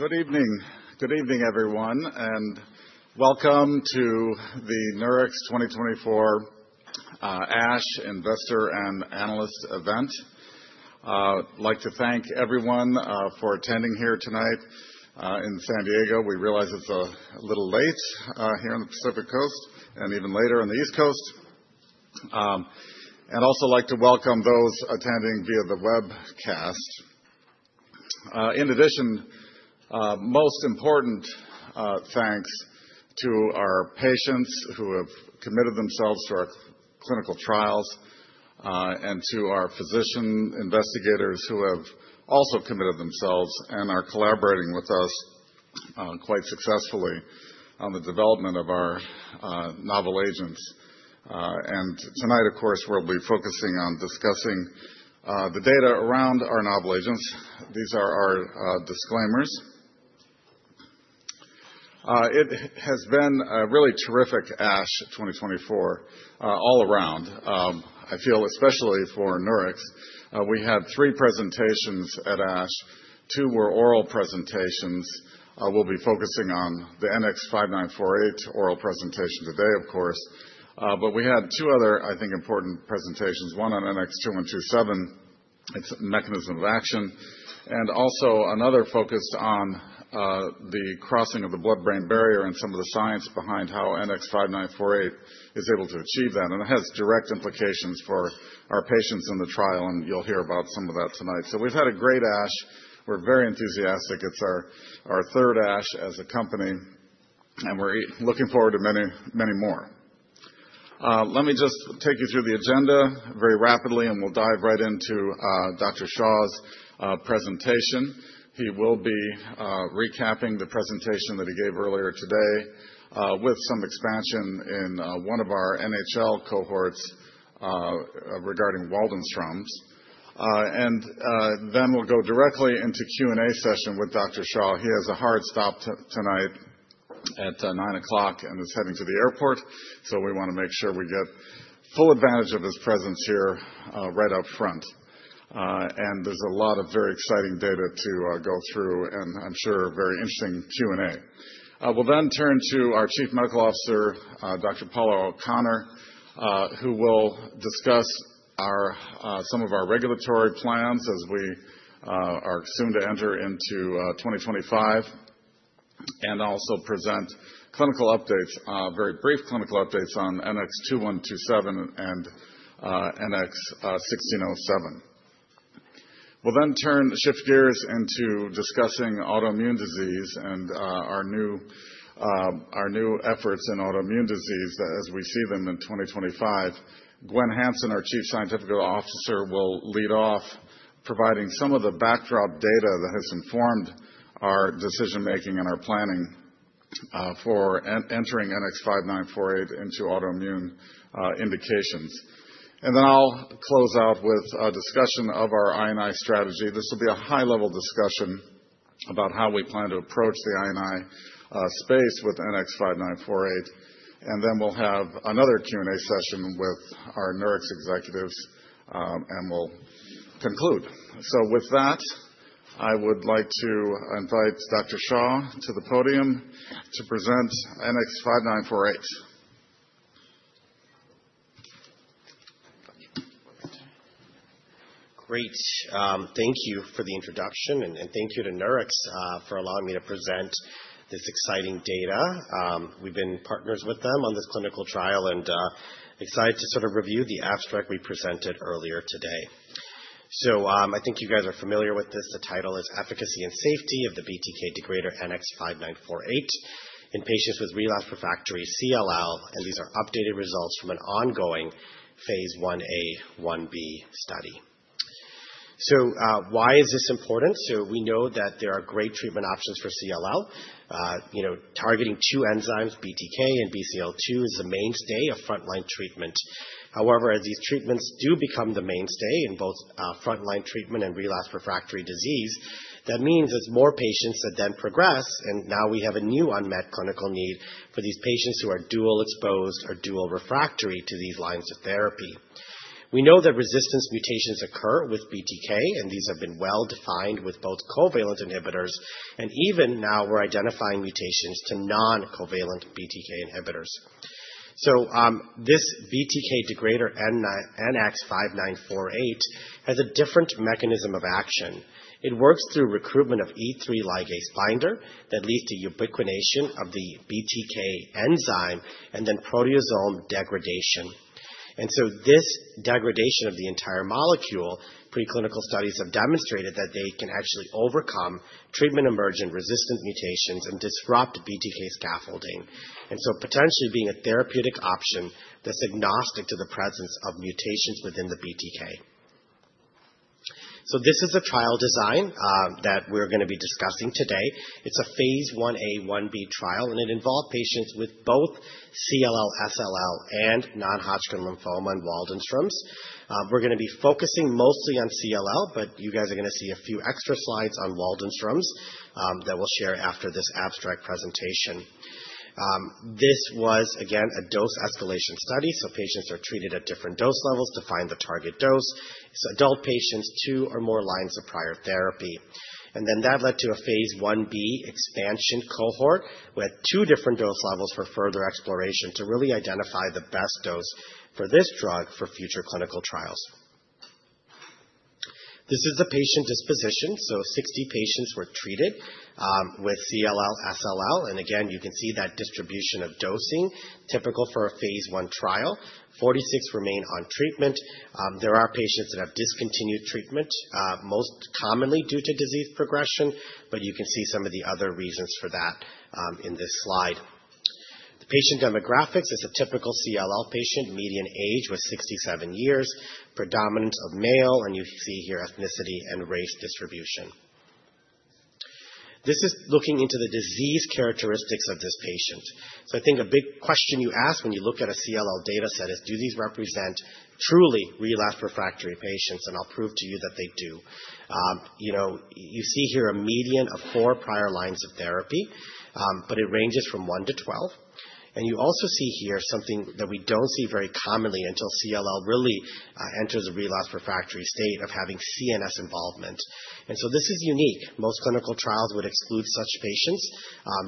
Good evening. Good evening, everyone, and welcome to the Nurix 2024 ASH Investor and Analyst event. I'd like to thank everyone for attending here tonight in San Diego. We realize it's a little late here on the Pacific Coast and even later on the East Coast, and I'd also like to welcome those attending via the webcast. In addition, most important thanks to our patients who have committed themselves to our clinical trials and to our physician investigators who have also committed themselves and are collaborating with us quite successfully on the development of our novel agents, and tonight, of course, we'll be focusing on discussing the data around our novel agents. These are our disclaimers. It has been a really terrific ASH 2024 all around. I feel, especially for Nurix, we had three presentations at ASH. Two were oral presentations. We'll be focusing on the NX-5948 oral presentation today, of course. But we had two other, I think, important presentations. One on NX-2127, its mechanism of action, and also another focused on the crossing of the blood-brain barrier and some of the science behind how NX-5948 is able to achieve that. And it has direct implications for our patients in the trial, and you'll hear about some of that tonight. So we've had a great ASH. We're very enthusiastic. It's our third ASH as a company, and we're looking forward to many, many more. Let me just take you through the agenda very rapidly, and we'll dive right into Dr. Shah's presentation. He will be recapping the presentation that he gave earlier today with some expansion in one of our NHL cohorts regarding Waldenström's. And then we'll go directly into Q&A session with Dr. Shah. He has a hard stop tonight at 9:00 P.M. and is heading to the airport, so we want to make sure we get full advantage of his presence here right up front, and there's a lot of very exciting data to go through and, I'm sure, very interesting Q&A. We'll then turn to our Chief Medical Officer, Dr. Paula O'Connor, who will discuss some of our regulatory plans as we are soon to enter into 2025 and also present clinical updates, very brief clinical updates on NX-2127 and NX-1607. We'll then shift gears into discussing autoimmune disease and our new efforts in autoimmune disease as we see them in 2025. Gwenn Hansen, our Chief Scientific Officer, will lead off providing some of the backdrop data that has informed our decision-making and our planning for entering NX-5948 into autoimmune indications, and then I'll close out with a discussion of our IND strategy. This will be a high-level discussion about how we plan to approach the IND space with NX-5948. And then we'll have another Q&A session with our Nurix executives, and we'll conclude. So with that, I would like to invite Dr. Nirav Shah to the podium to present NX-5948. Great. Thank you for the introduction, and thank you to Nurix for allowing me to present this exciting data. We've been partners with them on this clinical trial and excited to sort of review the abstract we presented earlier today. So I think you guys are familiar with this. The title is "Efficacy and Safety of the BTK Degrader NX-5948 in Patients with Relapsed Refractory CLL." And these are updated results from an ongoing phase 1a/1b study. So why is this important? So we know that there are great treatment options for CLL. Targeting two enzymes, BTK and BCL2, is the mainstay of frontline treatment. However, as these treatments do become the mainstay in both frontline treatment and relapsed/refractory disease, that means as more patients then progress, and now we have a new unmet clinical need for these patients who are dual-exposed or dual-refractory to these lines of therapy. We know that resistance mutations occur with BTK, and these have been well-defined with both covalent inhibitors, and even now we're identifying mutations to non-covalent BTK inhibitors. So this BTK degrader NX-5948 has a different mechanism of action. It works through recruitment of E3 ligase binder that leads to ubiquitination of the BTK enzyme and then proteasome degradation. And so this degradation of the entire molecule, preclinical studies have demonstrated that they can actually overcome treatment-emergent resistant mutations and disrupt BTK scaffolding. And so potentially being a therapeutic option that's agnostic to the presence of mutations within the BTK. This is a trial design that we're going to be discussing today. It's a phase 1a, 1b trial, and it involved patients with both CLL, SLL, and non-Hodgkin lymphoma and Waldenström's. We're going to be focusing mostly on CLL, but you guys are going to see a few extra slides on Waldenström's that we'll share after this abstract presentation. This was, again, a dose escalation study, so patients are treated at different dose levels to find the target dose. It's adult patients, two or more lines of prior therapy. And then that led to a phase 1b expansion cohort with two different dose levels for further exploration to really identify the best dose for this drug for future clinical trials. This is a patient disposition, so 60 patients were treated with CLL, SLL, and again, you can see that distribution of dosing typical for a phase I trial. 46 remain on treatment. There are patients that have discontinued treatment, most commonly due to disease progression, but you can see some of the other reasons for that in this slide. The patient demographics is a typical CLL patient, median age was 67 years, predominance of male, and you see here ethnicity and race distribution. This is looking into the disease characteristics of this patient. So I think a big question you ask when you look at a CLL data set is, do these represent truly relapse refractory patients? And I'll prove to you that they do. You see here a median of four prior lines of therapy, but it ranges from 1-12. And you also see here something that we don't see very commonly until CLL really enters a relapse refractory state of having CNS involvement. And so this is unique. Most clinical trials would exclude such patients.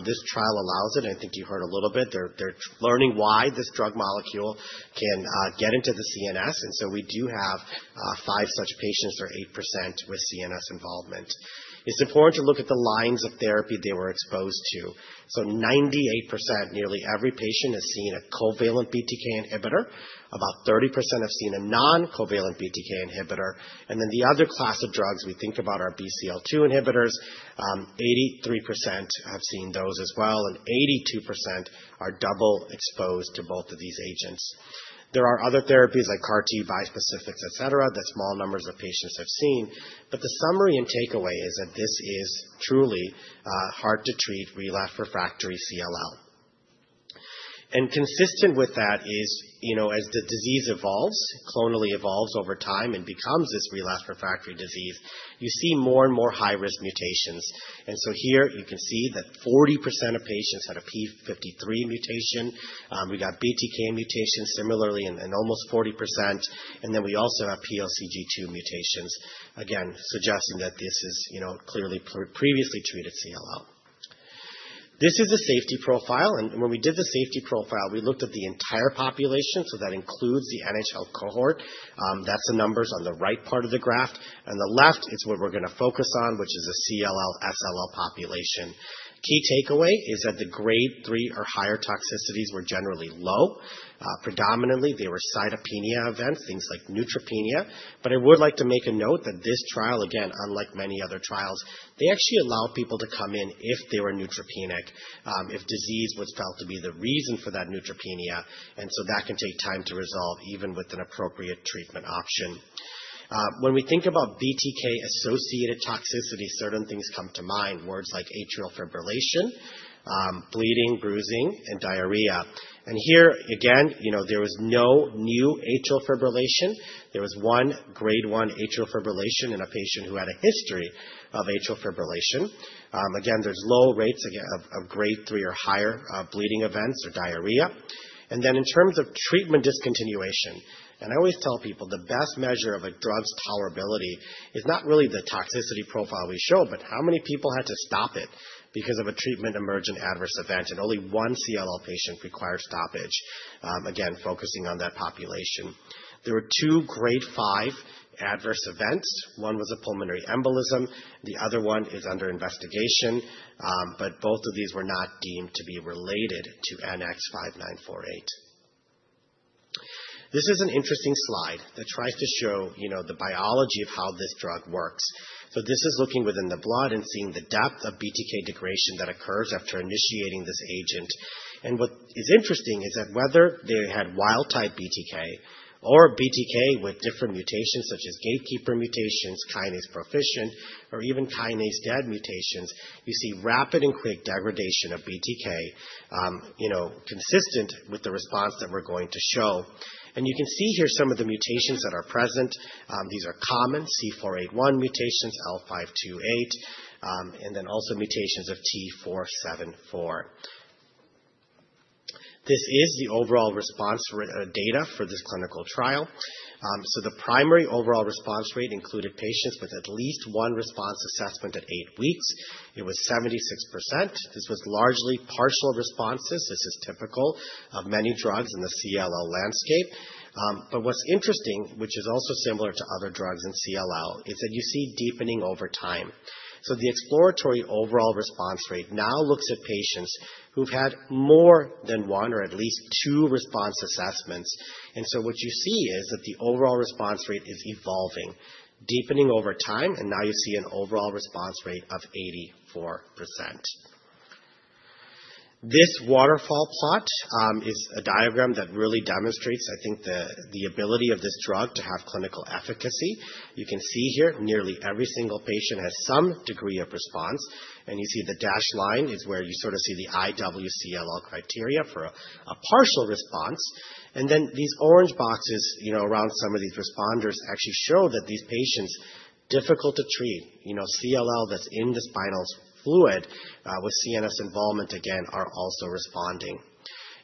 This trial allows it, and I think you heard a little bit. They're learning why this drug molecule can get into the CNS, and so we do have five such patients, or 8%, with CNS involvement. It's important to look at the lines of therapy they were exposed to. So 98%, nearly every patient, has seen a covalent BTK inhibitor. About 30% have seen a non-covalent BTK inhibitor. And then the other class of drugs, we think about our BCL2 inhibitors, 83% have seen those as well, and 82% are double-exposed to both of these agents. There are other therapies like CAR-T, bispecifics, etc., that small numbers of patients have seen. But the summary and takeaway is that this is truly hard-to-treat relapse refractory CLL. Consistent with that is, as the disease evolves, clonally evolves over time and becomes this relapse refractory disease, you see more and more high-risk mutations. So here you can see that 40% of patients had a p53 mutation. We got BTK mutations similarly in almost 40%, and then we also have PLCG2 mutations, again, suggesting that this is clearly previously treated CLL. This is a safety profile, and when we did the safety profile, we looked at the entire population, so that includes the NHL cohort. That's the numbers on the right part of the graph. On the left, it's what we're going to focus on, which is the CLL, SLL population. Key takeaway is that the grade three or higher toxicities were generally low. Predominantly, they were cytopenia events, things like neutropenia. But I would like to make a note that this trial, again, unlike many other trials, they actually allow people to come in if they were neutropenic, if disease was felt to be the reason for that neutropenia, and so that can take time to resolve even with an appropriate treatment option. When we think about BTK-associated toxicity, certain things come to mind, words like atrial fibrillation, bleeding, bruising, and diarrhea. And here, again, there was no new atrial fibrillation. There was one grade 1 atrial fibrillation in a patient who had a history of atrial fibrillation. Again, there's low rates of grade 3 or higher bleeding events or diarrhea. And then in terms of treatment discontinuation, and I always tell people, the best measure of a drug's tolerability is not really the toxicity profile we show, but how many people had to stop it because of a treatment-emergent adverse event, and only one CLL patient required stoppage, again, focusing on that population. There were two grade 5 adverse events. One was a pulmonary embolism. The other one is under investigation, but both of these were not deemed to be related to NX-5948. This is an interesting slide that tries to show the biology of how this drug works. So this is looking within the blood and seeing the depth of BTK degradation that occurs after initiating this agent. What is interesting is that whether they had wild-type BTK or BTK with different mutations such as gatekeeper mutations, kinase proficient, or even kinase dead mutations, you see rapid and quick degradation of BTK consistent with the response that we're going to show. You can see here some of the mutations that are present. These are common C481 mutations, L528, and then also mutations of T474. This is the overall response data for this clinical trial. The primary overall response rate included patients with at least one response assessment at eight weeks. It was 76%. This was largely partial responses. This is typical of many drugs in the CLL landscape. What's interesting, which is also similar to other drugs in CLL, is that you see deepening over time. So the exploratory overall response rate now looks at patients who've had more than one or at least two response assessments. And so what you see is that the overall response rate is evolving, deepening over time, and now you see an overall response rate of 84%. This waterfall plot is a diagram that really demonstrates, I think, the ability of this drug to have clinical efficacy. You can see here nearly every single patient has some degree of response, and you see the dashed line is where you sort of see the IWCLL criteria for a partial response. And then these orange boxes around some of these responders actually show that these patients, difficult to treat, CLL that's in the spinal fluid with CNS involvement, again, are also responding.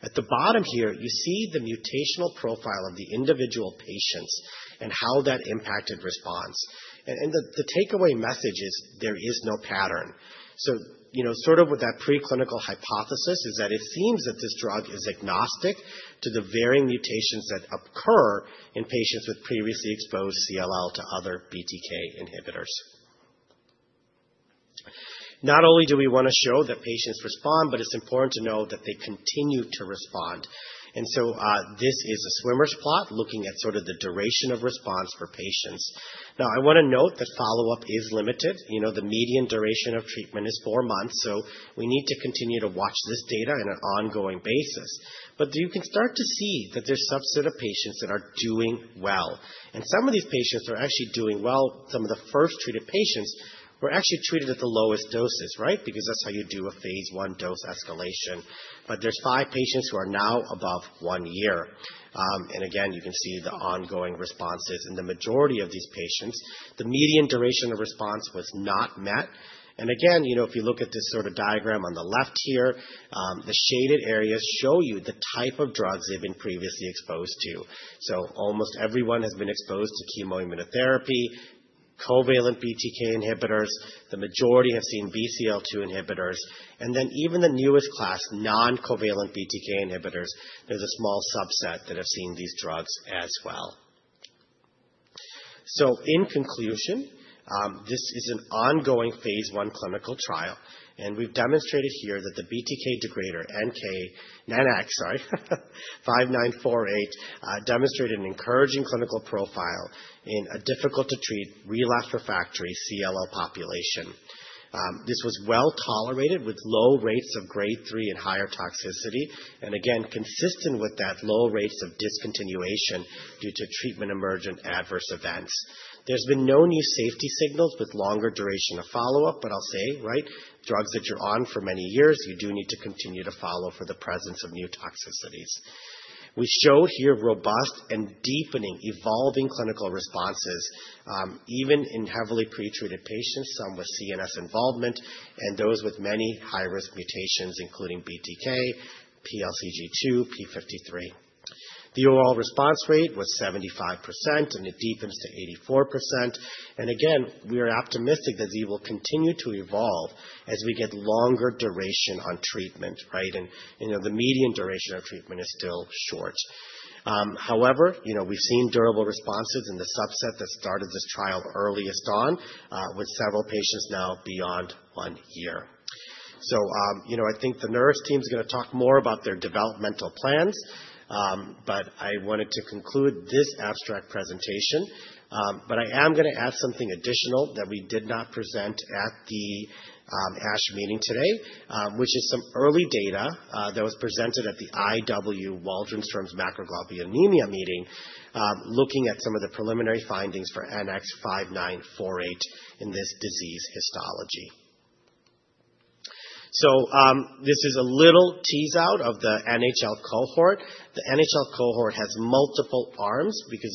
At the bottom here, you see the mutational profile of the individual patients and how that impacted response. The takeaway message is there is no pattern. Sort of with that, the preclinical hypothesis is that it seems that this drug is agnostic to the varying mutations that occur in patients with previously exposed CLL to other BTK inhibitors. Not only do we want to show that patients respond, but it's important to know that they continue to respond. This is a swimmer's plot looking at sort of the duration of response for patients. Now, I want to note that follow-up is limited. The median duration of treatment is four months, so we need to continue to watch this data on an ongoing basis. You can start to see that there's a subset of patients that are doing well. Some of these patients are actually doing well. Some of the first treated patients were actually treated at the lowest doses, right? Because that's how you do a phase I dose escalation, but there's five patients who are now above one year, and again, you can see the ongoing responses. In the majority of these patients, the median duration of response was not met, and again, if you look at this sort of diagram on the left here, the shaded areas show you the type of drugs they've been previously exposed to, so almost everyone has been exposed to chemoimmunotherapy, covalent BTK inhibitors. The majority have seen BCL2 inhibitors, and then even the newest class, non-covalent BTK inhibitors, there's a small subset that have seen these drugs as well, so in conclusion, this is an ongoing phase I clinical trial, and we've demonstrated here that the BTK degrader NX-5948 demonstrated an encouraging clinical profile in a difficult-to-treat relapse refractory CLL population. This was well tolerated with low rates of grade 3 and higher toxicity, and again, consistent with that low rates of discontinuation due to treatment-emergent adverse events. There's been no new safety signals with longer duration of follow-up, but I'll say, right? Drugs that you're on for many years, you do need to continue to follow for the presence of new toxicities. We show here robust and deepening, evolving clinical responses, even in heavily pretreated patients, some with CNS involvement, and those with many high-risk mutations, including BTK, PLCG2, p53. The overall response rate was 75%, and it deepens to 84%. And again, we are optimistic that these will continue to evolve as we get longer duration on treatment, right? And the median duration of treatment is still short. However, we've seen durable responses in the subset that started this trial earliest on, with several patients now beyond one year. I think the Nurix team is going to talk more about their developmental plans, but I wanted to conclude this abstract presentation. I am going to add something additional that we did not present at the ASH meeting today, which is some early data that was presented at the IW Waldenström's macroglobulinemia meeting, looking at some of the preliminary findings for NX-5948 in this disease histology. This is a little tease out of the NHL cohort. The NHL cohort has multiple arms because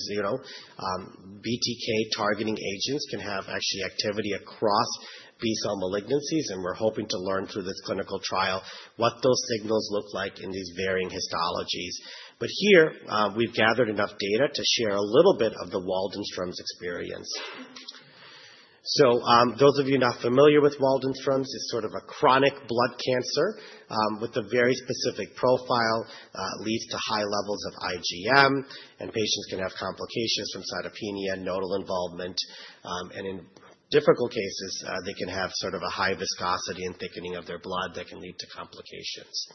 BTK-targeting agents can have actually activity across B-cell malignancies, and we're hoping to learn through this clinical trial what those signals look like in these varying histologies. Here, we've gathered enough data to share a little bit of the Waldenström's experience. So those of you not familiar with Waldenström's is sort of a chronic blood cancer with a very specific profile, leads to high levels of IgM, and patients can have complications from cytopenia, nodal involvement, and in difficult cases, they can have sort of a high viscosity and thickening of their blood that can lead to complications.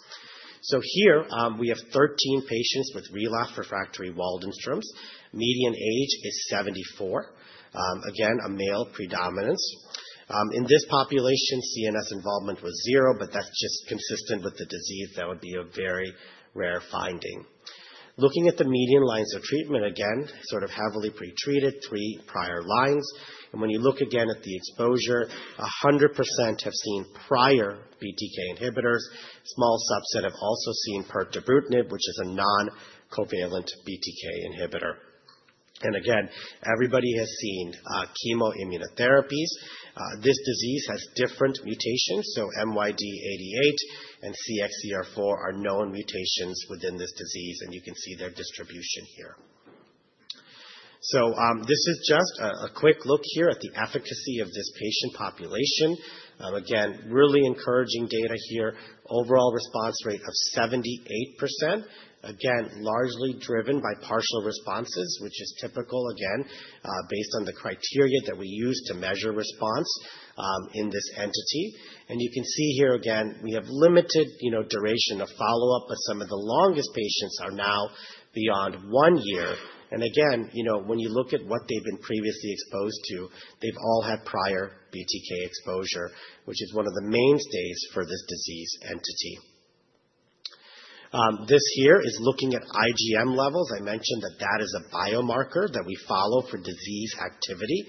So here, we have 13 patients with relapse refractory Waldenström's. Median age is 74. Again, a male predominance. In this population, CNS involvement was zero, but that's just consistent with the disease. That would be a very rare finding. Looking at the median lines of treatment, again, sort of heavily pretreated, three prior lines. And when you look again at the exposure, 100% have seen prior BTK inhibitors. A small subset have also seen pirtobrutinib, which is a non-covalent BTK inhibitor. And again, everybody has seen chemoimmunotherapies. This disease has different mutations, so MYD88 and CXCR4 are known mutations within this disease, and you can see their distribution here. So this is just a quick look here at the efficacy of this patient population. Again, really encouraging data here. Overall response rate of 78%. Again, largely driven by partial responses, which is typical, again, based on the criteria that we use to measure response in this entity. And you can see here, again, we have limited duration of follow-up, but some of the longest patients are now beyond one year. And again, when you look at what they've been previously exposed to, they've all had prior BTK exposure, which is one of the mainstays for this disease entity. This here is looking at IgM levels. I mentioned that that is a biomarker that we follow for disease activity.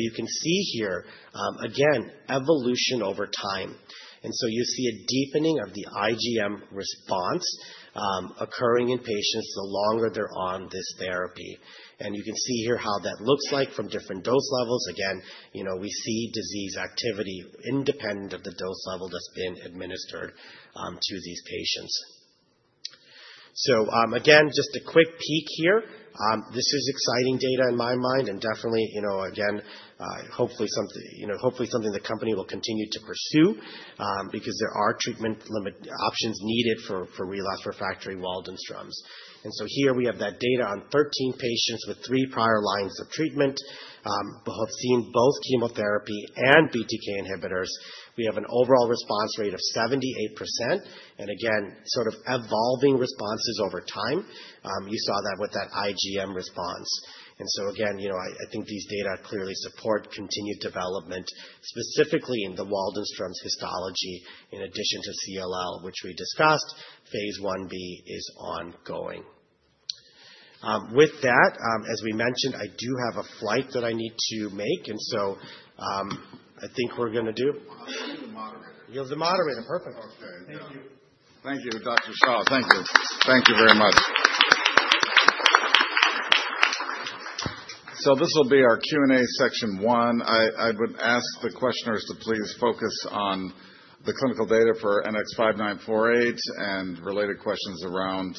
You can see here, again, evolution over time. You see a deepening of the IgM response occurring in patients the longer they're on this therapy. You can see here how that looks like from different dose levels. Again, we see disease activity independent of the dose level that's been administered to these patients. Again, just a quick peek here. This is exciting data in my mind and definitely, again, hopefully something the company will continue to pursue because there are treatment options needed for relapse refractory Waldenström's. Here we have that data on 13 patients with three prior lines of treatment who have seen both chemotherapy and BTK inhibitors. We have an overall response rate of 78%, and again, sort of evolving responses over time. You saw that with that IgM response. And so again, I think these data clearly support continued development, specifically in the Waldenström's histology in addition to CLL, which we discussed. Phase 1b is ongoing. With that, as we mentioned, I do have a flight that I need to make, and so I think we're going to do. I'll be the moderator. You'll be the moderator. Perfect. Thank you, Dr. Shah. Thank you. Thank you very much. So this will be our Q&A section one. I would ask the questioners to please focus on the clinical data for NX-5948 and related questions around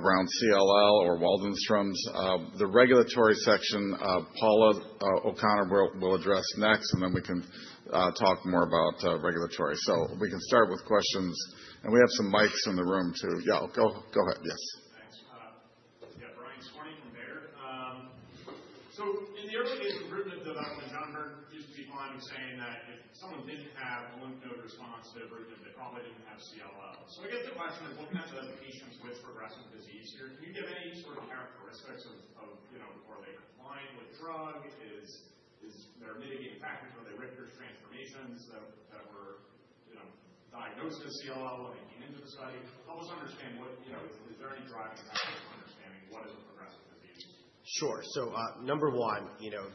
CLL or Waldenström's. The regulatory section, Paula O'Connor will address next, and then we can talk more about regulatory. So we can start with questions, and we have some mics in the room too. Yeah, go ahead. Yes. Thanks. Yeah, Brian Skorney from Baird. So in the early days of ibrutinib development, Dr. John Byrd used to be blunt in saying that if someone didn't have a lymph node response to the ibrutinib, they probably didn't have CLL. So I guess the question is, what kinds of patients with progressive disease here? Can you give any sort of characteristics of, were they compliant with drug? Is there a mitigating factor for their Richter's transformations that were diagnosed with CLL when they came into the study? Help us understand what is there any driving factors for understanding what is a progressive disease? Sure. So number one,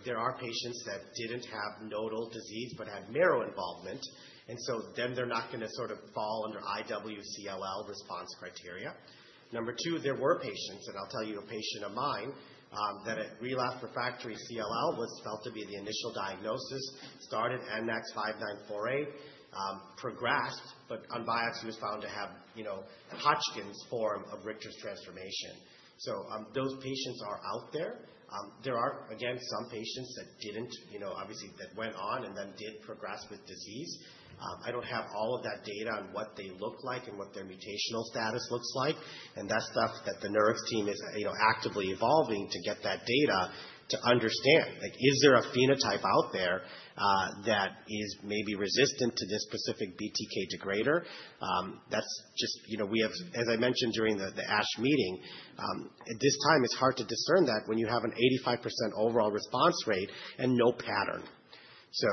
there are patients that didn't have nodal disease but had marrow involvement, and so then they're not going to sort of fall under IWCLL response criteria. Number two, there were patients, and I'll tell you a patient of mine that at relapse refractory CLL was felt to be the initial diagnosis, started NX-5948, progressed, but on biopsy was found to have Richter's transformation. So those patients are out there. There are, again, some patients that didn't, obviously, that went on and then did progress with disease. I don't have all of that data on what they look like and what their mutational status looks like, and that's stuff that the Nurix team is actively evolving to get that data to understand. Is there a phenotype out there that is maybe resistant to this specific BTK degrader? That's just, as I mentioned during the ASH meeting, at this time, it's hard to discern that when you have an 85% overall response rate and no pattern. So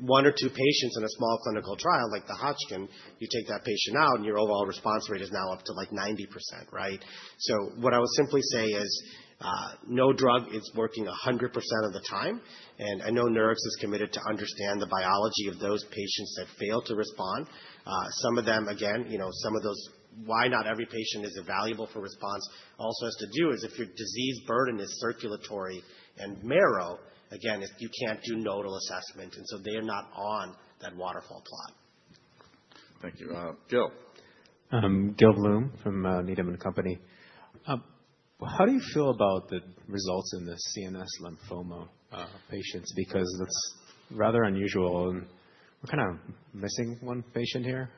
one or two patients in a small clinical trial like the Hodgkin, you take that patient out and your overall response rate is now up to like 90%, right? So what I would simply say is no drug is working 100% of the time, and I know Nurix is committed to understand the biology of those patients that fail to respond. Some of them, again, some of those, why not every patient is evaluable for response? Also has to do is if your disease burden is circulating and marrow, again, you can't do nodal assessment, and so they are not on that waterfall plot. Thank you, Gil. Gil Blum from Needham & Company. How do you feel about the results in the CNS lymphoma patients? Because that's rather unusual, and we're kind of missing one patient here,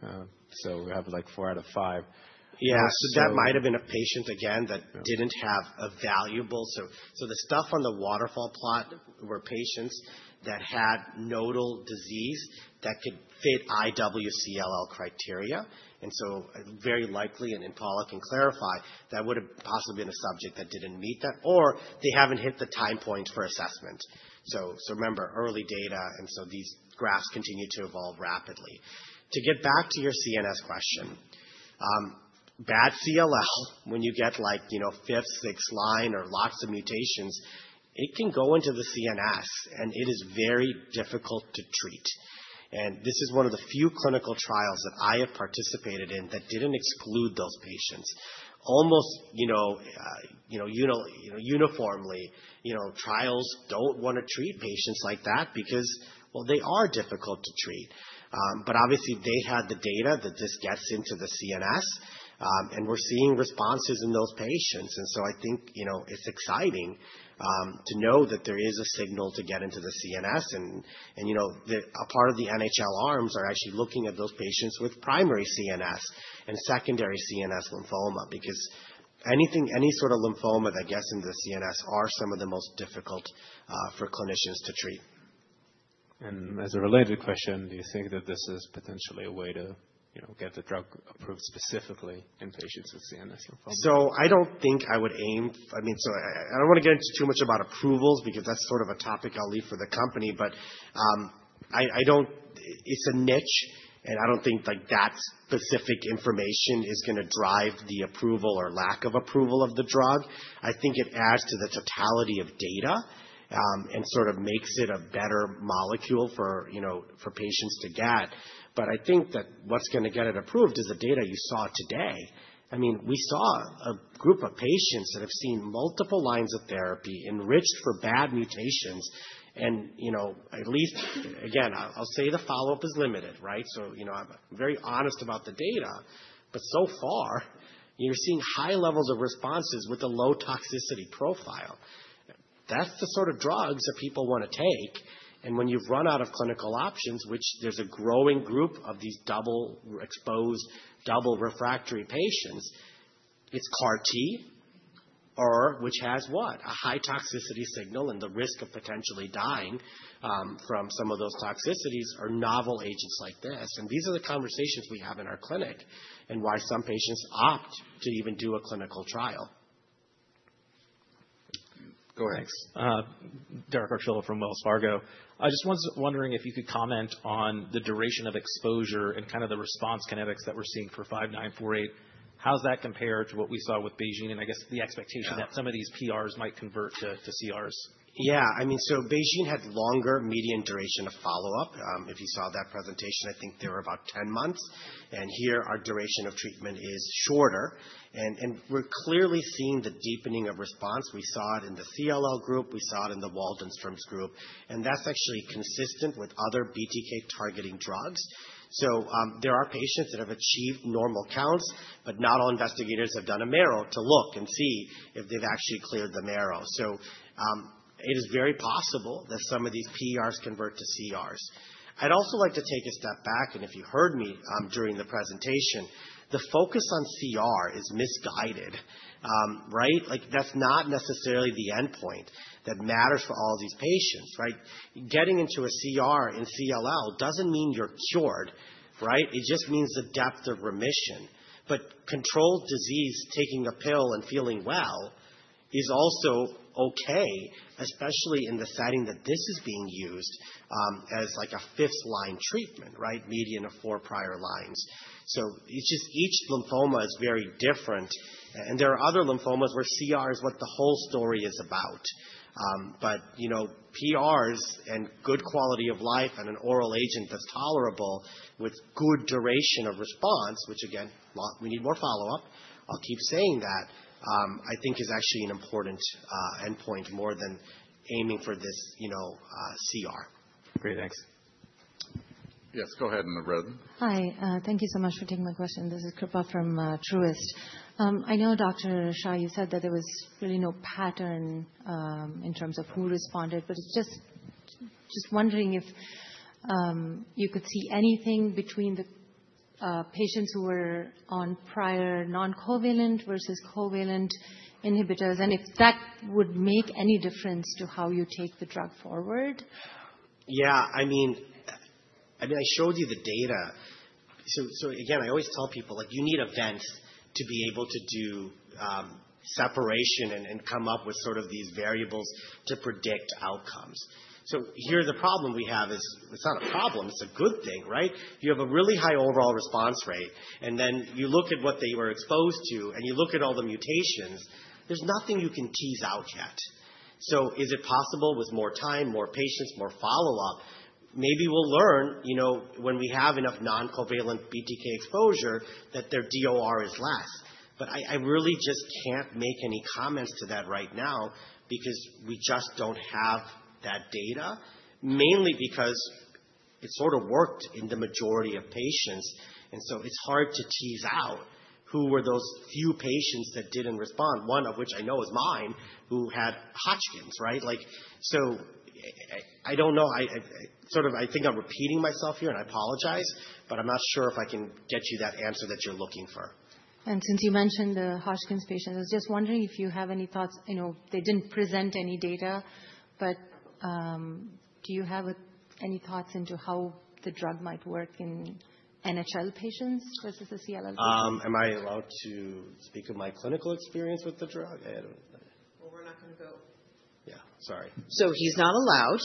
so we have like four out of five. Yeah, so that might have been a patient, again, that didn't have an evaluable. So the stuff on the waterfall plot were patients that had nodal disease that could fit IWCLL criteria. And so very likely, and Paula can clarify, that would have possibly been a subject that didn't meet that, or they haven't hit the time points for assessment. So remember, early data, and so these graphs continue to evolve rapidly. To get back to your CNS question, bad CLL, when you get like fifth, sixth line, or lots of mutations, it can go into the CNS, and it is very difficult to treat. And this is one of the few clinical trials that I have participated in that didn't exclude those patients. Almost uniformly, trials don't want to treat patients like that because, well, they are difficult to treat. But obviously, they had the data that this gets into the CNS, and we're seeing responses in those patients. And so I think it's exciting to know that there is a signal to get into the CNS, and a part of the NHL arms are actually looking at those patients with primary CNS and secondary CNS lymphoma because any sort of lymphoma that gets into the CNS is some of the most difficult for clinicians to treat. As a related question, do you think that this is potentially a way to get the drug approved specifically in patients with CNS lymphoma? I mean, so I don't want to get into too much about approvals because that's sort of a topic I'll leave for the company, but it's a niche, and I don't think that specific information is going to drive the approval or lack of approval of the drug. I think it adds to the totality of data and sort of makes it a better molecule for patients to get, but I think that what's going to get it approved is the data you saw today. I mean, we saw a group of patients that have seen multiple lines of therapy enriched for bad mutations, and at least, again, I'll say the follow-up is limited, right, so I'm very honest about the data, but so far, you're seeing high levels of responses with a low toxicity profile. That's the sort of drugs that people want to take, and when you've run out of clinical options, which there's a growing group of these double-exposed, double-refractory patients, it's CAR-T, which has what? A high toxicity signal and the risk of potentially dying from some of those toxicities are novel agents like this. And these are the conversations we have in our clinic and why some patients opt to even do a clinical trial. Go ahead. Thanks. Dr. Archila from Wells Fargo. I just was wondering if you could comment on the duration of exposure and kind of the response kinetics that we're seeing for 5948. How's that compared to what we saw with BeiGene and I guess the expectation that some of these PRs might convert to CRs? Yeah, I mean, so BeiGene had longer median duration of follow-up. If you saw that presentation, I think they were about 10 months, and here our duration of treatment is shorter. And we're clearly seeing the deepening of response. We saw it in the CLL group. We saw it in the Waldenström's group, and that's actually consistent with other BTK-targeting drugs. So there are patients that have achieved normal counts, but not all investigators have done a marrow to look and see if they've actually cleared the marrow. So it is very possible that some of these PRs convert to CRs. I'd also like to take a step back, and if you heard me during the presentation, the focus on CR is misguided, right? That's not necessarily the endpoint that matters for all of these patients, right? Getting into a CR in CLL doesn't mean you're cured, right? It just means the depth of remission. But controlled disease, taking a pill and feeling well is also okay, especially in the setting that this is being used as like a fifth-line treatment, right? Median of four prior lines. So each lymphoma is very different, and there are other lymphomas where CR is what the whole story is about. But PRs and good quality of life and an oral agent that's tolerable with good duration of response, which again, we need more follow-up, I'll keep saying that, I think is actually an important endpoint more than aiming for this CR. Great. Thanks. Yes, go ahead in the red. Hi. Thank you so much for taking my question. This is Kripa from Truist. I know, Dr. Shah, you said that there was really no pattern in terms of who responded, but just wondering if you could see anything between the patients who were on prior non-covalent versus covalent inhibitors and if that would make any difference to how you take the drug forward? Yeah, I mean, I showed you the data. So again, I always tell people, you need an event to be able to do separation and come up with sort of these variables to predict outcomes. Here the problem we have is it's not a problem. It's a good thing, right? You have a really high overall response rate, and then you look at what they were exposed to, and you look at all the mutations, there's nothing you can tease out yet. Is it possible with more time, more patients, more follow-up? Maybe we'll learn when we have enough non-covalent BTK exposure that their DOR is less. But I really just can't make any comments to that right now because we just don't have that data, mainly because it sort of worked in the majority of patients, and so it's hard to tease out who were those few patients that didn't respond, one of which I know is mine who had Hodgkin's, right? So I don't know. Sort of I think I'm repeating myself here, and I apologize, but I'm not sure if I can get you that answer that you're looking for. Since you mentioned the Hodgkin's patients, I was just wondering if you have any thoughts. They didn't present any data, but do you have any thoughts into how the drug might work in NHL patients versus the CLL patients? Am I allowed to speak of my clinical experience with the drug? We're not going to go. Yeah, sorry. So he's not allowed.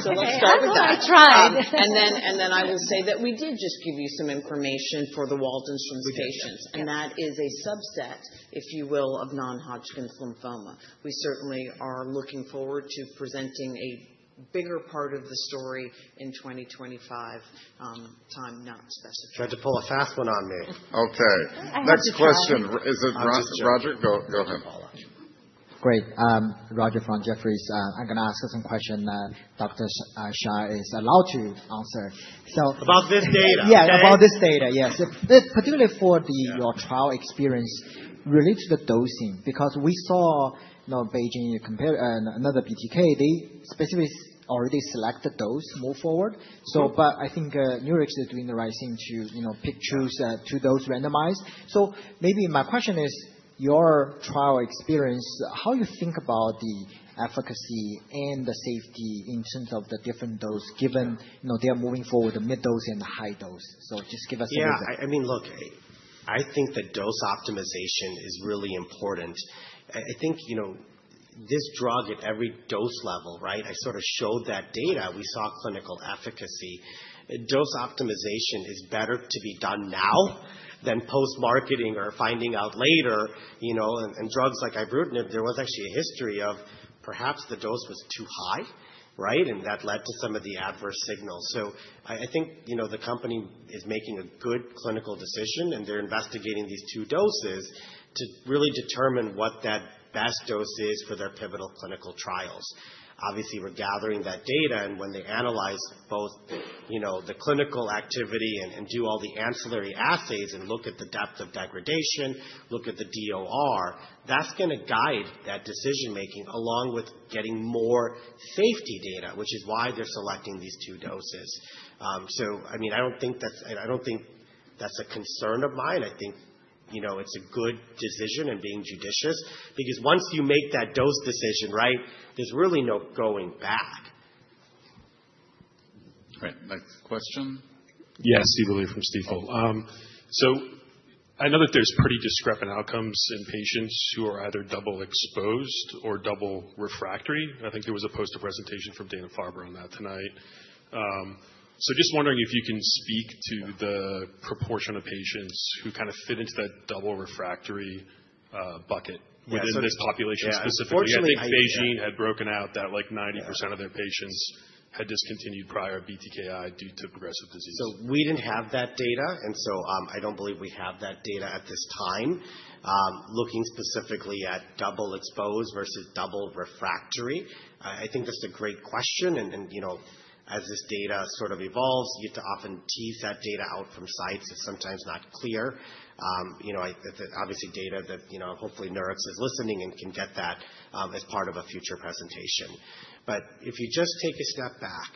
So let's start with that. I tried, and then I will say that we did just give you some information for the Waldenström's patients, and that is a subset, if you will, of non-Hodgkin lymphoma. We certainly are looking forward to presenting a bigger part of the story in 2025, time not specified. Tried to pull a fast one on me. Okay. Next question. Is it Roger? Go ahead. Great. Roger from Jefferies. I'm going to ask you some questions that Dr. Shah is allowed to answer. So. About this data. Yeah, about this data, yes. Particularly for your trial experience related to the dosing, because we saw BeiGene and another BTK, they specifically already selected those to move forward. But I think Nurix is doing the right thing to pick and choose those randomized. So maybe my question is, your trial experience, how do you think about the efficacy and the safety in terms of the different doses given they are moving forward the mid-dose and the high dose? So just give us some examples. Yeah, I mean, look, I think the dose optimization is really important. I think this drug at every dose level, right? I sort of showed that data. We saw clinical efficacy. Dose optimization is better to be done now than post-marketing or finding out later, and drugs like ibrutinib, there was actually a history of perhaps the dose was too high, right? And that led to some of the adverse signals, so I think the company is making a good clinical decision, and they're investigating these two doses to really determine what that best dose is for their pivotal clinical trials. Obviously, we're gathering that data, and when they analyze both the clinical activity and do all the ancillary assays and look at the depth of degradation, look at the DOR, that's going to guide that decision-making along with getting more safety data, which is why they're selecting these two doses. So I mean, I don't think that's a concern of mine. I think it's a good decision and being judicious because once you make that dose decision, right, there's really no going back. All right. Next question. Yes, Stephen Willey from Stifel. So I know that there's pretty discrepant outcomes in patients who are either double-exposed or double-refractory. I think there was a poster presentation from Dana-Farber on that tonight. So just wondering if you can speak to the proportion of patients who kind of fit into that double-refractory bucket within this population specifically. I think BeiGene had broken out that like 90% of their patients had discontinued prior BTKI due to progressive disease. We didn't have that data, and so I don't believe we have that data at this time. Looking specifically at double-exposed versus double-refractory, I think that's a great question. As this data sort of evolves, you have to often tease that data out from sites that's sometimes not clear. Obviously, data that hopefully Nurix is listening and can get that as part of a future presentation. If you just take a step back,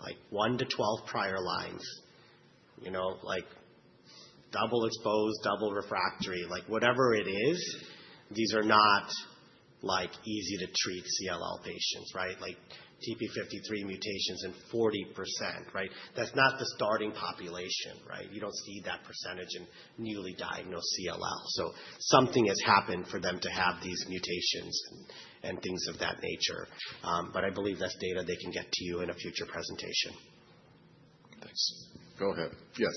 like one to 12 prior lines, like double-exposed, double-refractory, like whatever it is, these are not easy to treat CLL patients, right? Like TP53 mutations in 40%, right? That's not the starting population, right? You don't see that percentage in newly diagnosed CLL. Something has happened for them to have these mutations and things of that nature. I believe that's data they can get to you in a future presentation. Thanks. Go ahead. Yes.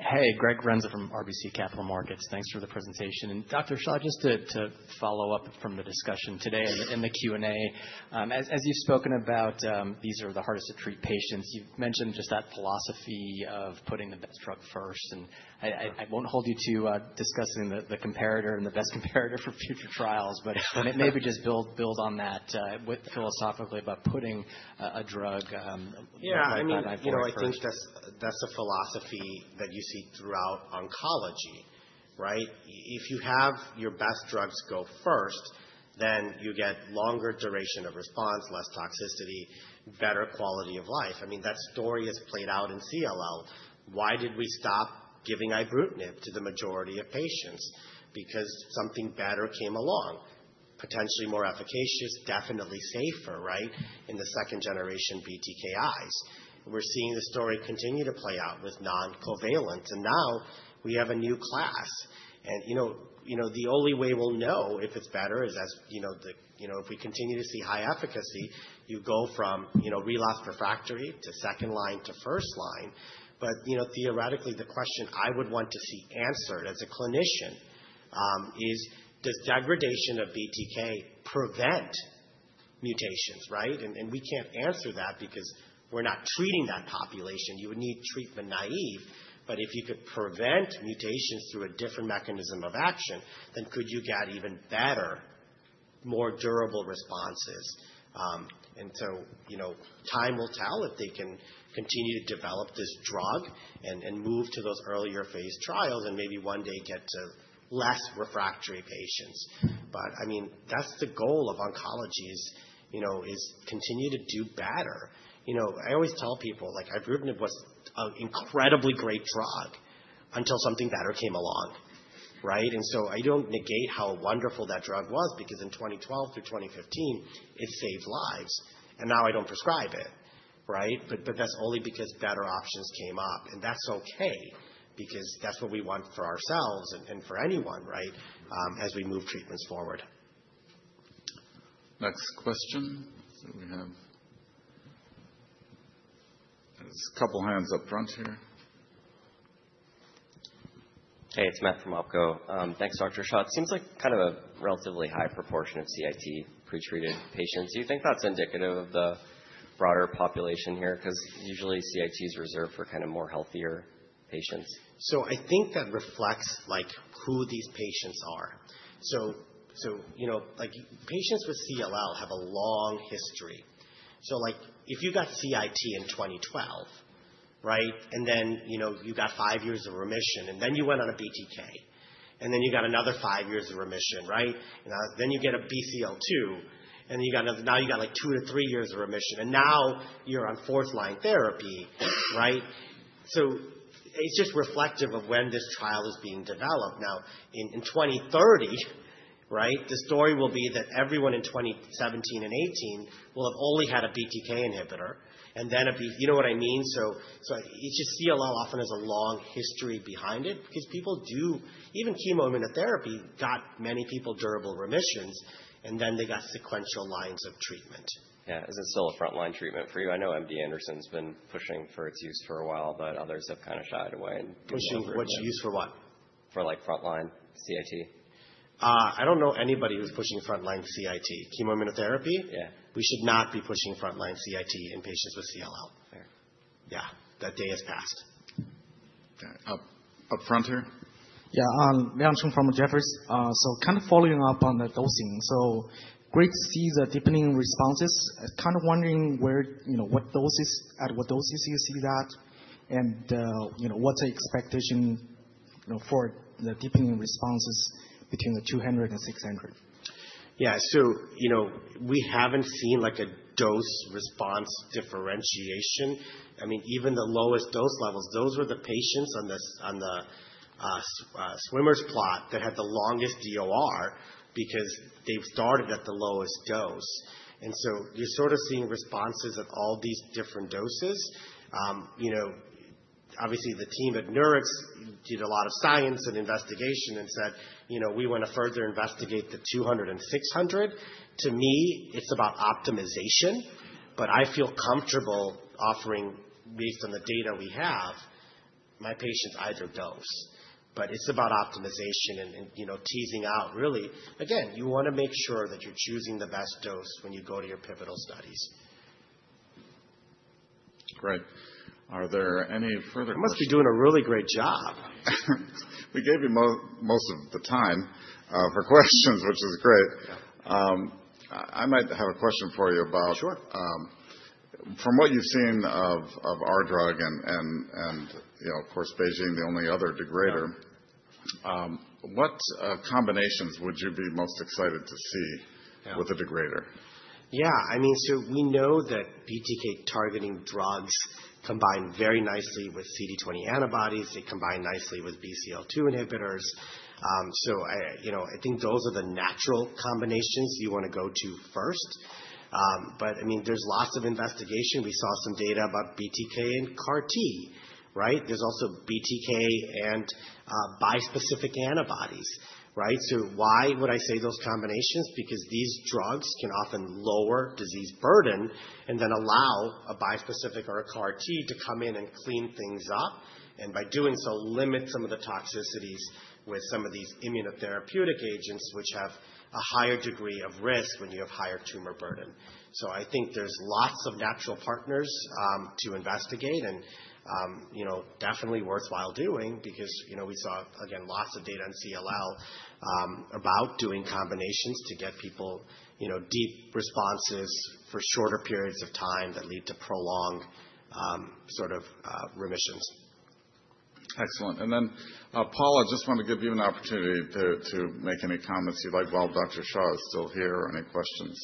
Hey, Greg Renza from RBC Capital Markets. Thanks for the presentation. And Dr. Shah, just to follow up from the discussion today in the Q&A, as you've spoken about these are the hardest to treat patients, you've mentioned just that philosophy of putting the best drug first. And I won't hold you to discussing the comparator and the best comparator for future trials, but maybe just build on that philosophically about putting a drug. Yeah, I mean, I think that's a philosophy that you see throughout oncology, right? If you have your best drugs go first, then you get longer duration of response, less toxicity, better quality of life. I mean, that story has played out in CLL. Why did we stop giving ibrutinib to the majority of patients? Because something better came along, potentially more efficacious, definitely safer, right? In the second generation BTKIs. We're seeing the story continue to play out with non-covalent, and now we have a new class. And the only way we'll know if it's better is if we continue to see high efficacy, you go from relapse refractory to second line to first line. But theoretically, the question I would want to see answered as a clinician is, does degradation of BTK prevent mutations, right? And we can't answer that because we're not treating that population. You would need treatment naive. But if you could prevent mutations through a different mechanism of action, then could you get even better, more durable responses? And so time will tell if they can continue to develop this drug and move to those earlier phase trials and maybe one day get to less refractory patients. But I mean, that's the goal of oncology is continue to do better. I always tell people, ibrutinib was an incredibly great drug until something better came along, right? And so I don't negate how wonderful that drug was because in 2012 through 2015, it saved lives, and now I don't prescribe it, right? But that's only because better options came up, and that's okay because that's what we want for ourselves and for anyone, right? As we move treatments forward. Next question that we have. There's a couple of hands up front here. Hey, it's Matt from Opco. Thanks, Dr. Shah. It seems like kind of a relatively high proportion of CIT pretreated patients. Do you think that's indicative of the broader population here? Because usually CIT is reserved for kind of more healthier patients. I think that reflects who these patients are. Patients with CLL have a long history. If you got CIT in 2012, right? And then you got five years of remission, and then you went on a BTK, and then you got another five years of remission, right? And then you get a BCL2, and now you got like two-to-three years of remission, and now you're on fourth-line therapy, right? It's just reflective of when this trial is being developed. Now, in 2030, right? The story will be that everyone in 2017 and 2018 will have only had a BTK inhibitor and then a B, you know what I mean? It's just CLL often has a long history behind it because people do, even chemoimmunotherapy got many people durable remissions, and then they got sequential lines of treatment. Yeah. Is it still a frontline treatment for you? I know MD Anderson's been pushing for its use for a while, but others have kind of shied away. Pushing what's used for what? For like frontline CIT? I don't know anybody who's pushing frontline CIT. Chemoimmunotherapy? Yeah. We should not be pushing frontline CIT in patients with CLL. Fair. Yeah. That day has passed. Up front here. Yeah. I'm from Jefferies. So kind of following up on the dosing. So great to see the deepening responses. Kind of wondering what doses, at what doses you see that, and what's the expectation for the deepening responses between the 200 and 600? Yeah. So we haven't seen a dose response differentiation. I mean, even the lowest dose levels, those were the patients on the swimmers' plot that had the longest DOR because they started at the lowest dose. And so you're sort of seeing responses at all these different doses. Obviously, the team at Nurix did a lot of science and investigation and said, "We want to further investigate the 200 and 600." To me, it's about optimization, but I feel comfortable offering, based on the data we have, my patients either dose. But it's about optimization and teasing out really. Again, you want to make sure that you're choosing the best dose when you go to your pivotal studies. Great. Are there any further questions? I must be doing a really great job. We gave you most of the time for questions, which is great. I might have a question for you about. Sure. From what you've seen of our drug and, of course, BeiGene, the only other degrader, what combinations would you be most excited to see with a degrader? Yeah. I mean, so we know that BTK-targeting drugs combine very nicely with CD20 antibodies. They combine nicely with BCL2 inhibitors. So I think those are the natural combinations you want to go to first. But I mean, there's lots of investigation. We saw some data about BTK and CAR-T, right? There's also BTK and bispecific antibodies, right? So why would I say those combinations? Because these drugs can often lower disease burden and then allow a bispecific or a CAR-T to come in and clean things up, and by doing so, limit some of the toxicities with some of these immunotherapeutic agents, which have a higher degree of risk when you have higher tumor burden. So I think there's lots of natural partners to investigate and definitely worthwhile doing because we saw, again, lots of data in CLL about doing combinations to get people deep responses for shorter periods of time that lead to prolonged sort of remissions. Excellent. And then Paula, I just want to give you an opportunity to make any comments you'd like while Dr. Shah is still here or any questions.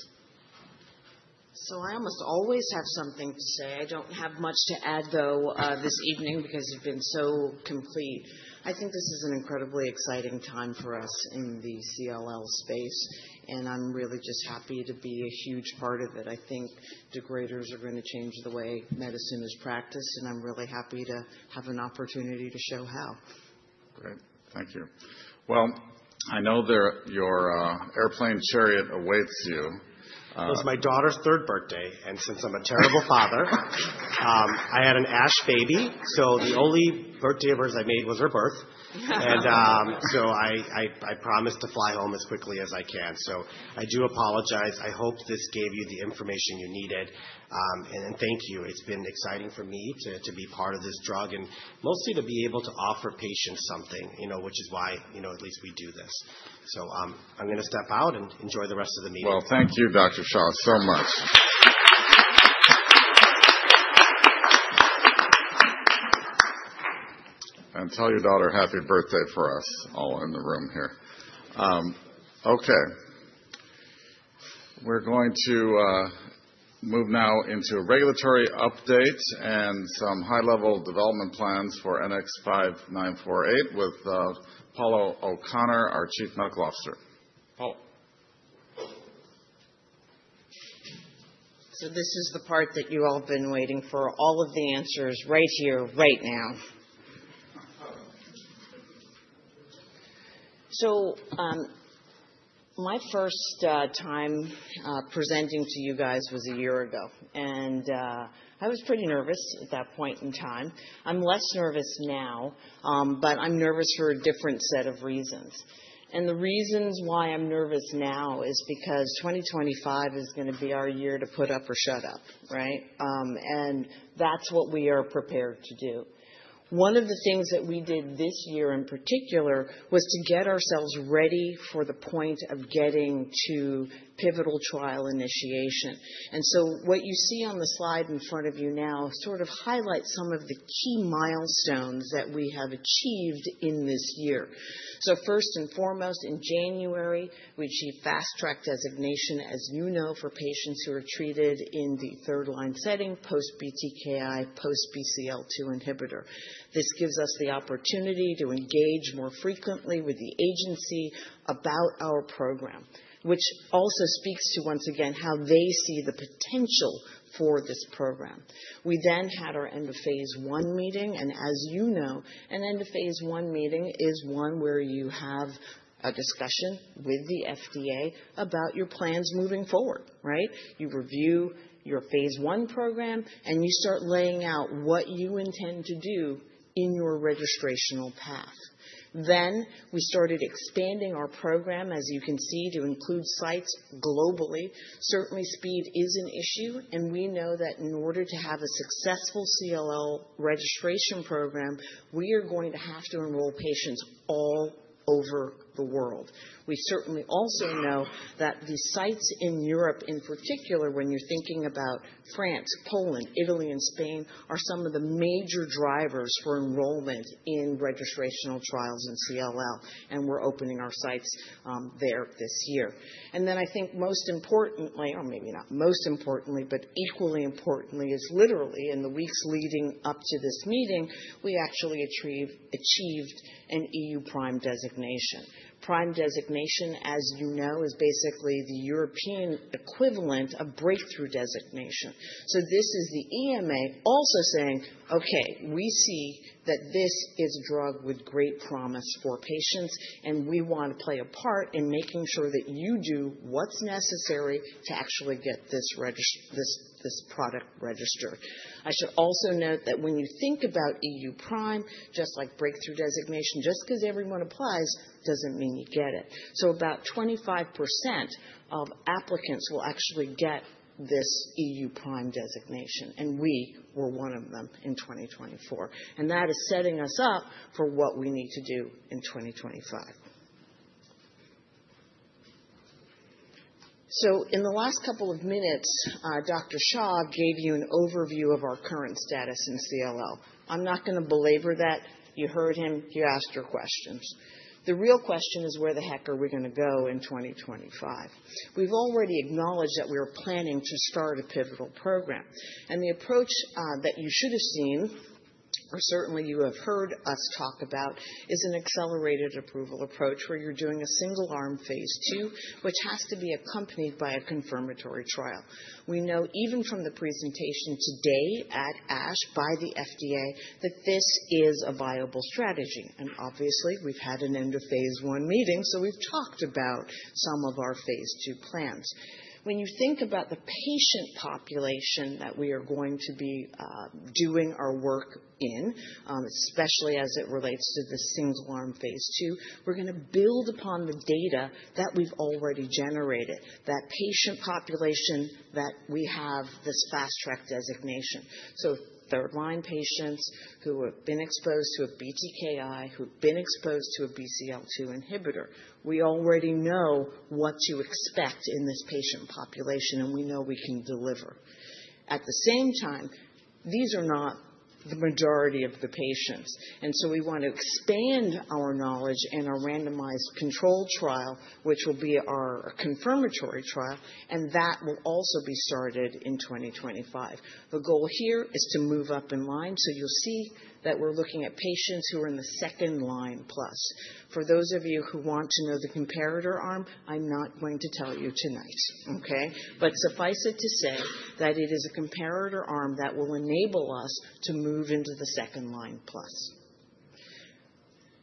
So I almost always have something to say. I don't have much to add, though, this evening because you've been so complete. I think this is an incredibly exciting time for us in the CLL space, and I'm really just happy to be a huge part of it. I think degraders are going to change the way medicine is practiced, and I'm really happy to have an opportunity to show how. Great. Thank you. Well, I know your airplane chariot awaits you. It was my daughter's third birthday, and since I'm a terrible father, I had an ASH baby. So the only birthday of hers I made was her birth. And so I promised to fly home as quickly as I can. So I do apologize. I hope this gave you the information you needed. And thank you. It's been exciting for me to be part of this drug and mostly to be able to offer patients something, which is why at least we do this. So I'm going to step out and enjoy the rest of the meeting. Well, thank you, Dr. Shah, so much. And tell your daughter happy birthday for us all in the room here. Okay. We're going to move now into regulatory updates and some high-level development plans for NX-5948 with Paula O'Connor, our Chief Medical Officer. Paula. So this is the part that you all have been waiting for, all of the answers right here, right now. So my first time presenting to you guys was a year ago, and I was pretty nervous at that point in time. I'm less nervous now, but I'm nervous for a different set of reasons. And the reasons why I'm nervous now is because 2025 is going to be our year to put up or shut up, right? And that's what we are prepared to do. One of the things that we did this year in particular was to get ourselves ready for the point of getting to pivotal trial initiation. And so what you see on the slide in front of you now sort of highlights some of the key milestones that we have achieved in this year. First and foremost, in January, we achieved Fast Track Designation, as you know, for patients who are treated in the third-line setting, post-BTKI, post-BCL2 inhibitor. This gives us the opportunity to engage more frequently with the agency about our program, which also speaks to, once again, how they see the potential for this program. We had our End of phase I meeting. As you know, an End of phase I meeting is one where you have a discussion with the FDA about your plans moving forward, right? You review your phase one program, and you start laying out what you intend to do in your registrational path. We started expanding our program, as you can see, to include sites globally. Certainly, speed is an issue, and we know that in order to have a successful CLL registration program, we are going to have to enroll patients all over the world. We certainly also know that the sites in Europe, in particular, when you're thinking about France, Poland, Italy, and Spain, are some of the major drivers for enrollment in registrational trials in CLL, and we're opening our sites there this year. And then I think most importantly, or maybe not most importantly, but equally importantly, is literally in the weeks leading up to this meeting, we actually achieved an EU PRIME designation. PRIME designation, as you know, is basically the European equivalent of breakthrough designation. So this is the EMA also saying, "Okay, we see that this is a drug with great promise for patients, and we want to play a part in making sure that you do what's necessary to actually get this product registered." I should also note that when you think about EU PRIME, just like breakthrough designation, just because everyone applies doesn't mean you get it. So about 25% of applicants will actually get this EU PRIME designation, and we were one of them in 2024. And that is setting us up for what we need to do in 2025. So in the last couple of minutes, Dr. Shah gave you an overview of our current status in CLL. I'm not going to belabor that. You heard him. You asked your questions. The real question is where the heck are we going to go in 2025? We've already acknowledged that we are planning to start a pivotal program. And the approach that you should have seen, or certainly you have heard us talk about, is an Accelerated Approval approach where you're doing a single-arm phase II, which has to be accompanied by a confirmatory trial. We know even from the presentation today at ASH by the FDA that this is a viable strategy. And obviously, we've had an end of phase I meeting, so we've talked about some of our phase II plans. When you think about the patient population that we are going to be doing our work in, especially as it relates to the single-arm phase II, we're going to build upon the data that we've already generated, that patient population that we have this Fast Track designation. So third-line patients who have been exposed to a BTKI, who've been exposed to a BCL2 inhibitor, we already know what to expect in this patient population, and we know we can deliver. At the same time, these are not the majority of the patients. And so we want to expand our knowledge and our randomized control trial, which will be our confirmatory trial, and that will also be started in 2025. The goal here is to move up in line. So you'll see that we're looking at patients who are in the second line plus. For those of you who want to know the comparator arm, I'm not going to tell you tonight, okay? But suffice it to say that it is a comparator arm that will enable us to move into the second line plus.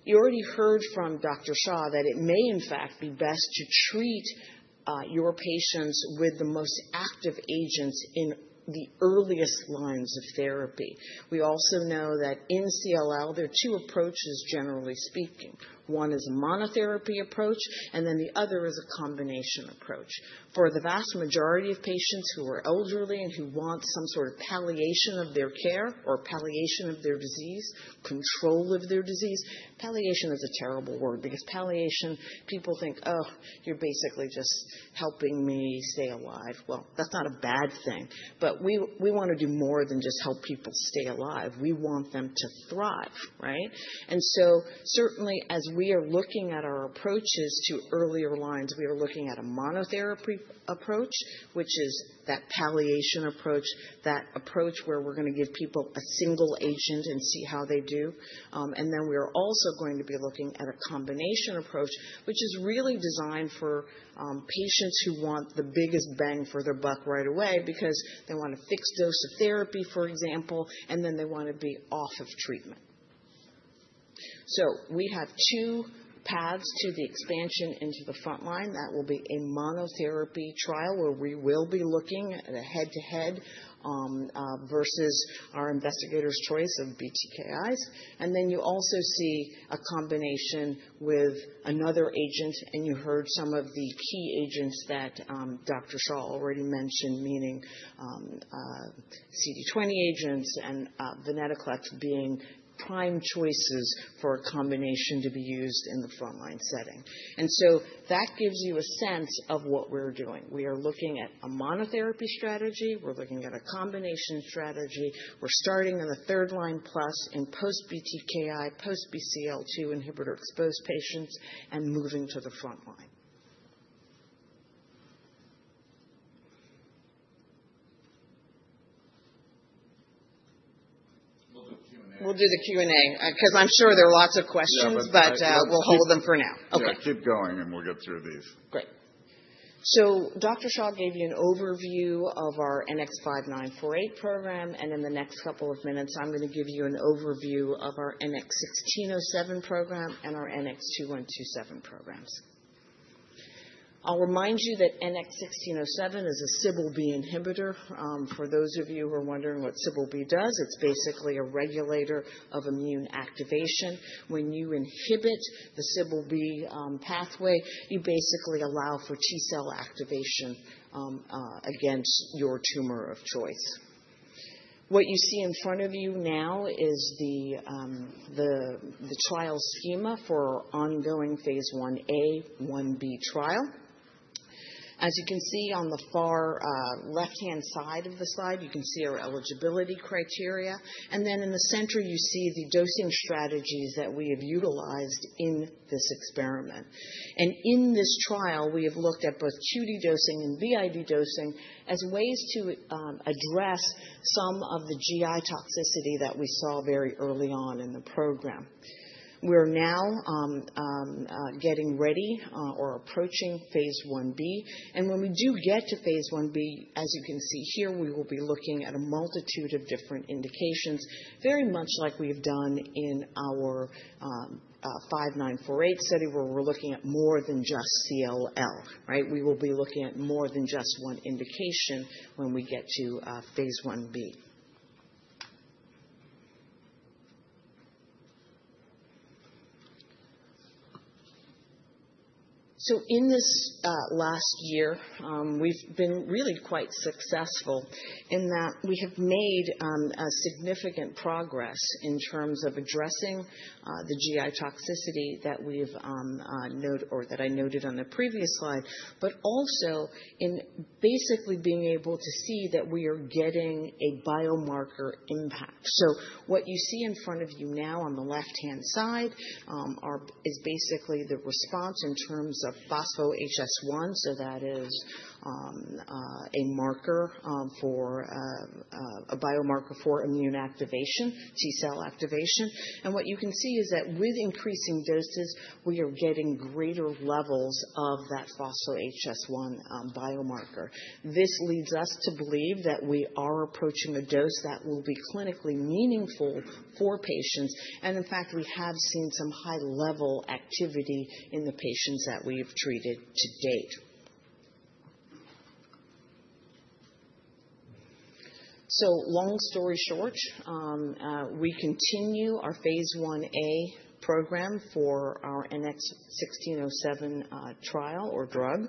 You already heard from Dr. Shah that it may, in fact, be best to treat your patients with the most active agents in the earliest lines of therapy. We also know that in CLL, there are two approaches, generally speaking. One is a monotherapy approach, and then the other is a combination approach. For the vast majority of patients who are elderly and who want some sort of palliation of their care or palliation of their disease, control of their disease, palliation is a terrible word because palliation, people think, "Oh, you're basically just helping me stay alive." Well, that's not a bad thing, but we want to do more than just help people stay alive. We want them to thrive, right? And so certainly, as we are looking at our approaches to earlier lines, we are looking at a monotherapy approach, which is that palliation approach, that approach where we're going to give people a single agent and see how they do. And then we are also going to be looking at a combination approach, which is really designed for patients who want the biggest bang for their buck right away because they want a fixed dose of therapy, for example, and then they want to be off of treatment. So we have two paths to the expansion into the front line. That will be a monotherapy trial where we will be looking at a head-to-head versus our investigator's choice of BTKIs. And then you also see a combination with another agent, and you heard some of the key agents that Dr. Shah already mentioned, meaning CD20 agents and venetoclax being prime choices for a combination to be used in the front line setting. And so that gives you a sense of what we're doing. We are looking at a monotherapy strategy. We're looking at a combination strategy. We're starting in the third line plus in post-BTKI, post-BCL2 inhibitor-exposed patients and moving to the front line. We'll do the Q&A because I'm sure there are lots of questions, but we'll hold them for now. Yeah. Keep going, and we'll get through these. Great. So Dr. Shah gave you an overview of our NX-5948 program, and in the next couple of minutes, I'm going to give you an overview of our NX-1607 program and our NX-2127 programs. I'll remind you that NX-1607 is a CBL-B inhibitor. For those of you who are wondering what CBL-B does, it's basically a regulator of immune activation. When you inhibit the CBL-B pathway, you basically allow for T-cell activation against your tumor of choice. What you see in front of you now is the trial schema for ongoing Phase 1a, 1b trial. As you can see on the far left-hand side of the slide, you can see our eligibility criteria, and then in the center, you see the dosing strategies that we have utilized in this experiment. In this trial, we have looked at both QD dosing and BID dosing as ways to address some of the GI toxicity that we saw very early on in the program. We're now getting ready or approaching phase 1b. When we do get to phase 1b, as you can see here, we will be looking at a multitude of different indications, very much like we have done in our 5948 study where we're looking at more than just CLL, right? We will be looking at more than just one indication when we get to phase 1b. So in this last year, we've been really quite successful in that we have made significant progress in terms of addressing the GI toxicity that we've noted or that I noted on the previous slide, but also in basically being able to see that we are getting a biomarker impact. So what you see in front of you now on the left-hand side is basically the response in terms of phospho-HS1. So that is a marker for a biomarker for immune activation, T-cell activation. And what you can see is that with increasing doses, we are getting greater levels of that phospho-HS1 biomarker. This leads us to believe that we are approaching a dose that will be clinically meaningful for patients. And in fact, we have seen some high-level activity in the patients that we have treated to date. Long story short, we continue our phase 1a program for our NX-1607 trial or drug,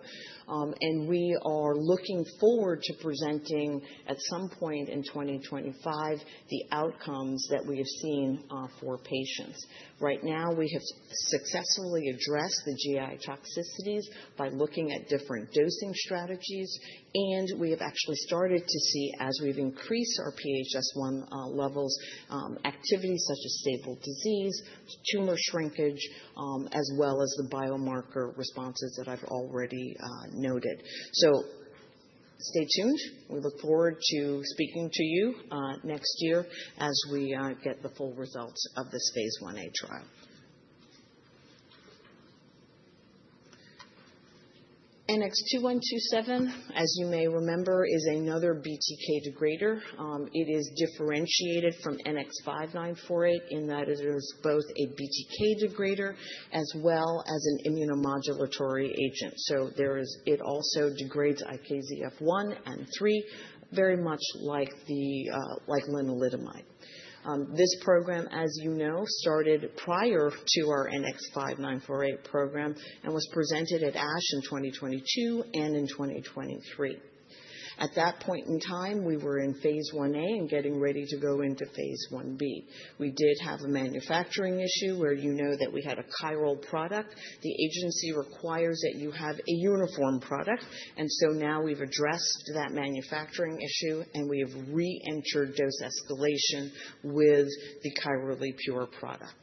and we are looking forward to presenting at some point in 2025 the outcomes that we have seen for patients. Right now, we have successfully addressed the GI toxicities by looking at different dosing strategies, and we have actually started to see, as we've increased our phospho-HS1 levels, activity such as stable disease, tumor shrinkage, as well as the biomarker responses that I've already noted. Stay tuned. We look forward to speaking to you next year as we get the full results of this phase 1a trial. NX-2127, as you may remember, is another BTK degrader. It is differentiated from NX-5948 in that it is both a BTK degrader as well as an immunomodulatory agent. It also degrades IKZF1 and 3, very much like lenalidomide. This program, as you know, started prior to our NX-5948 program and was presented at ASH in 2022 and in 2023. At that point in time, we were in phase 1a and getting ready to go into phase 1b. We did have a manufacturing issue where you know that we had a chiral product. The agency requires that you have a uniform product. And so now we've addressed that manufacturing issue, and we have re-entered dose escalation with the chirally pure product.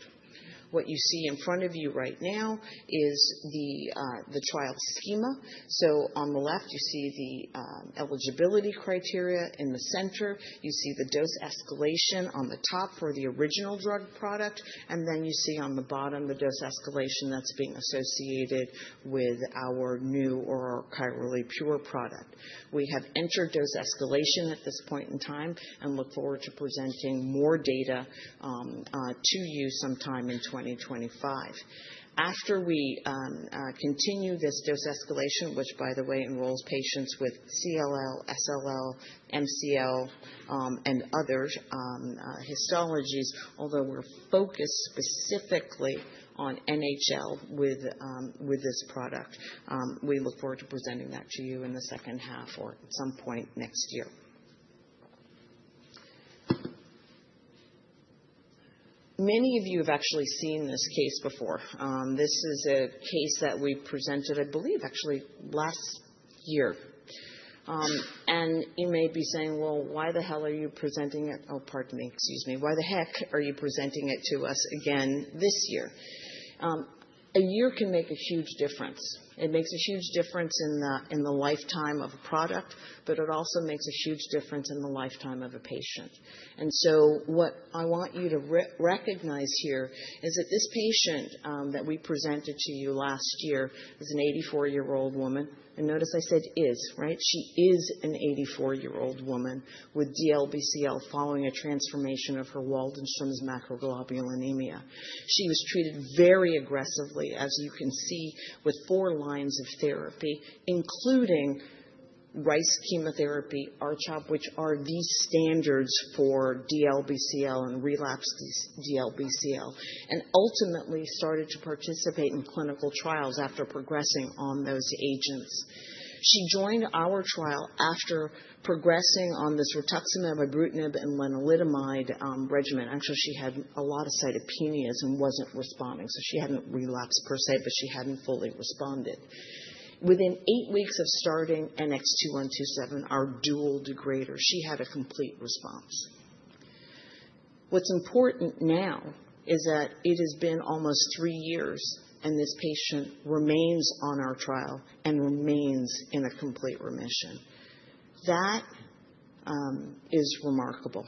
What you see in front of you right now is the trial schema, so on the left, you see the eligibility criteria. In the center, you see the dose escalation on the top for the original drug product, and then you see on the bottom the dose escalation that's being associated with our new or our chirally pure product. We have entered dose escalation at this point in time and look forward to presenting more data to you sometime in 2025. After we continue this dose escalation, which, by the way, enrolls patients with CLL, SLL, MCL, and other histologies, although we're focused specifically on NHL with this product, we look forward to presenting that to you in the second half or at some point next year. Many of you have actually seen this case before. This is a case that we presented, I believe, actually last year. And you may be saying, "Well, why the hell are you presenting it?" Oh, pardon me. Excuse me. "Why the heck are you presenting it to us again this year?" A year can make a huge difference. It makes a huge difference in the lifetime of a product, but it also makes a huge difference in the lifetime of a patient. And so what I want you to recognize here is that this patient that we presented to you last year is an 84-year-old woman. And notice I said is, right? She is an 84-year-old woman with DLBCL following a transformation of her Waldenström's macroglobulinemia. She was treated very aggressively, as you can see, with four lines of therapy, including R-ICE chemotherapy, R-CHOP, which are the standards for DLBCL and relapsed DLBCL, and ultimately started to participate in clinical trials after progressing on those agents. She joined our trial after progressing on this rituximab, ibrutinib, and lenalidomide regimen. Actually, she had a lot of cytopenias and wasn't responding. So she hadn't relapsed per se, but she hadn't fully responded. Within eight weeks of starting NX-2127, our dual degrader, she had a complete response. What's important now is that it has been almost three years, and this patient remains on our trial and remains in a complete remission. That is remarkable,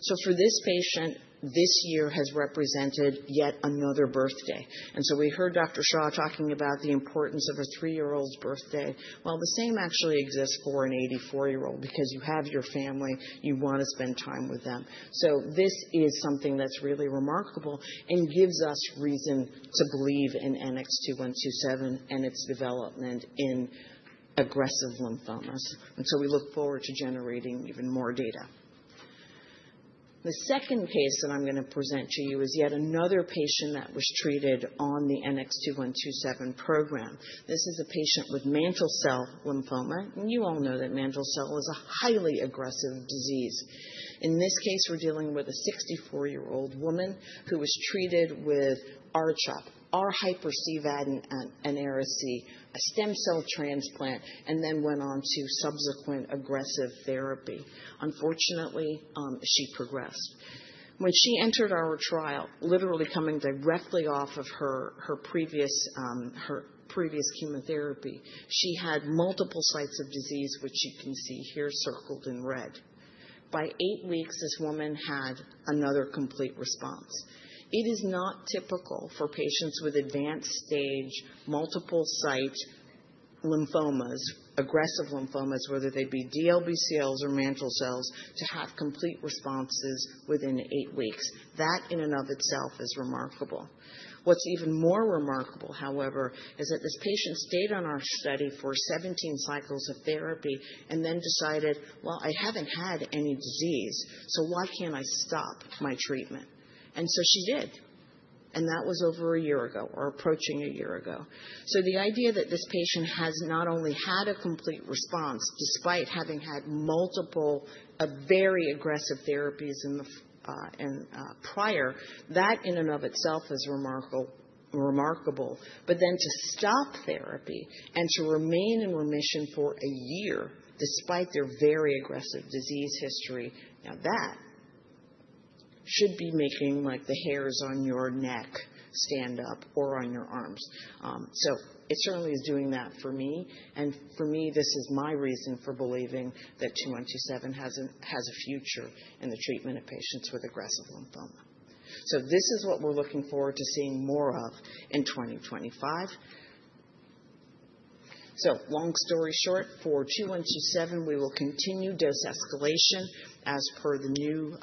so for this patient, this year has represented yet another birthday, and so we heard Dr. Shah talking about the importance of a three-year-old's birthday. Well, the same actually exists for an 84-year-old because you have your family. You want to spend time with them, so this is something that's really remarkable and gives us reason to believe in NX-2127 and its development in aggressive lymphomas, and so we look forward to generating even more data. The second case that I'm going to present to you is yet another patient that was treated on the NX-2127 program. This is a patient with mantle cell lymphoma, and you all know that mantle cell is a highly aggressive disease. In this case, we're dealing with a 64-year-old woman who was treated with R-CHOP, R-Hyper-CVAD and R-ICE, a stem cell transplant, and then went on to subsequent aggressive therapy. Unfortunately, she progressed. When she entered our trial, literally coming directly off of her previous chemotherapy, she had multiple sites of disease, which you can see here circled in red. By eight weeks, this woman had another complete response. It is not typical for patients with advanced stage, multiple site lymphomas, aggressive lymphomas, whether they be DLBCLs or mantle cells, to have complete responses within eight weeks. That in and of itself is remarkable. What's even more remarkable, however, is that this patient stayed on our study for 17 cycles of therapy and then decided, "Well, I haven't had any disease, so why can't I stop my treatment?" and so she did. And that was over a year ago or approaching a year ago. So the idea that this patient has not only had a complete response despite having had multiple very aggressive therapies prior, that in and of itself is remarkable. But then to stop therapy and to remain in remission for a year despite their very aggressive disease history, now that should be making the hairs on your neck stand up or on your arms. So it certainly is doing that for me. And for me, this is my reason for believing that 2127 has a future in the treatment of patients with aggressive lymphoma. So this is what we're looking forward to seeing more of in 2025. So long story short, for 2127, we will continue dose escalation as per the new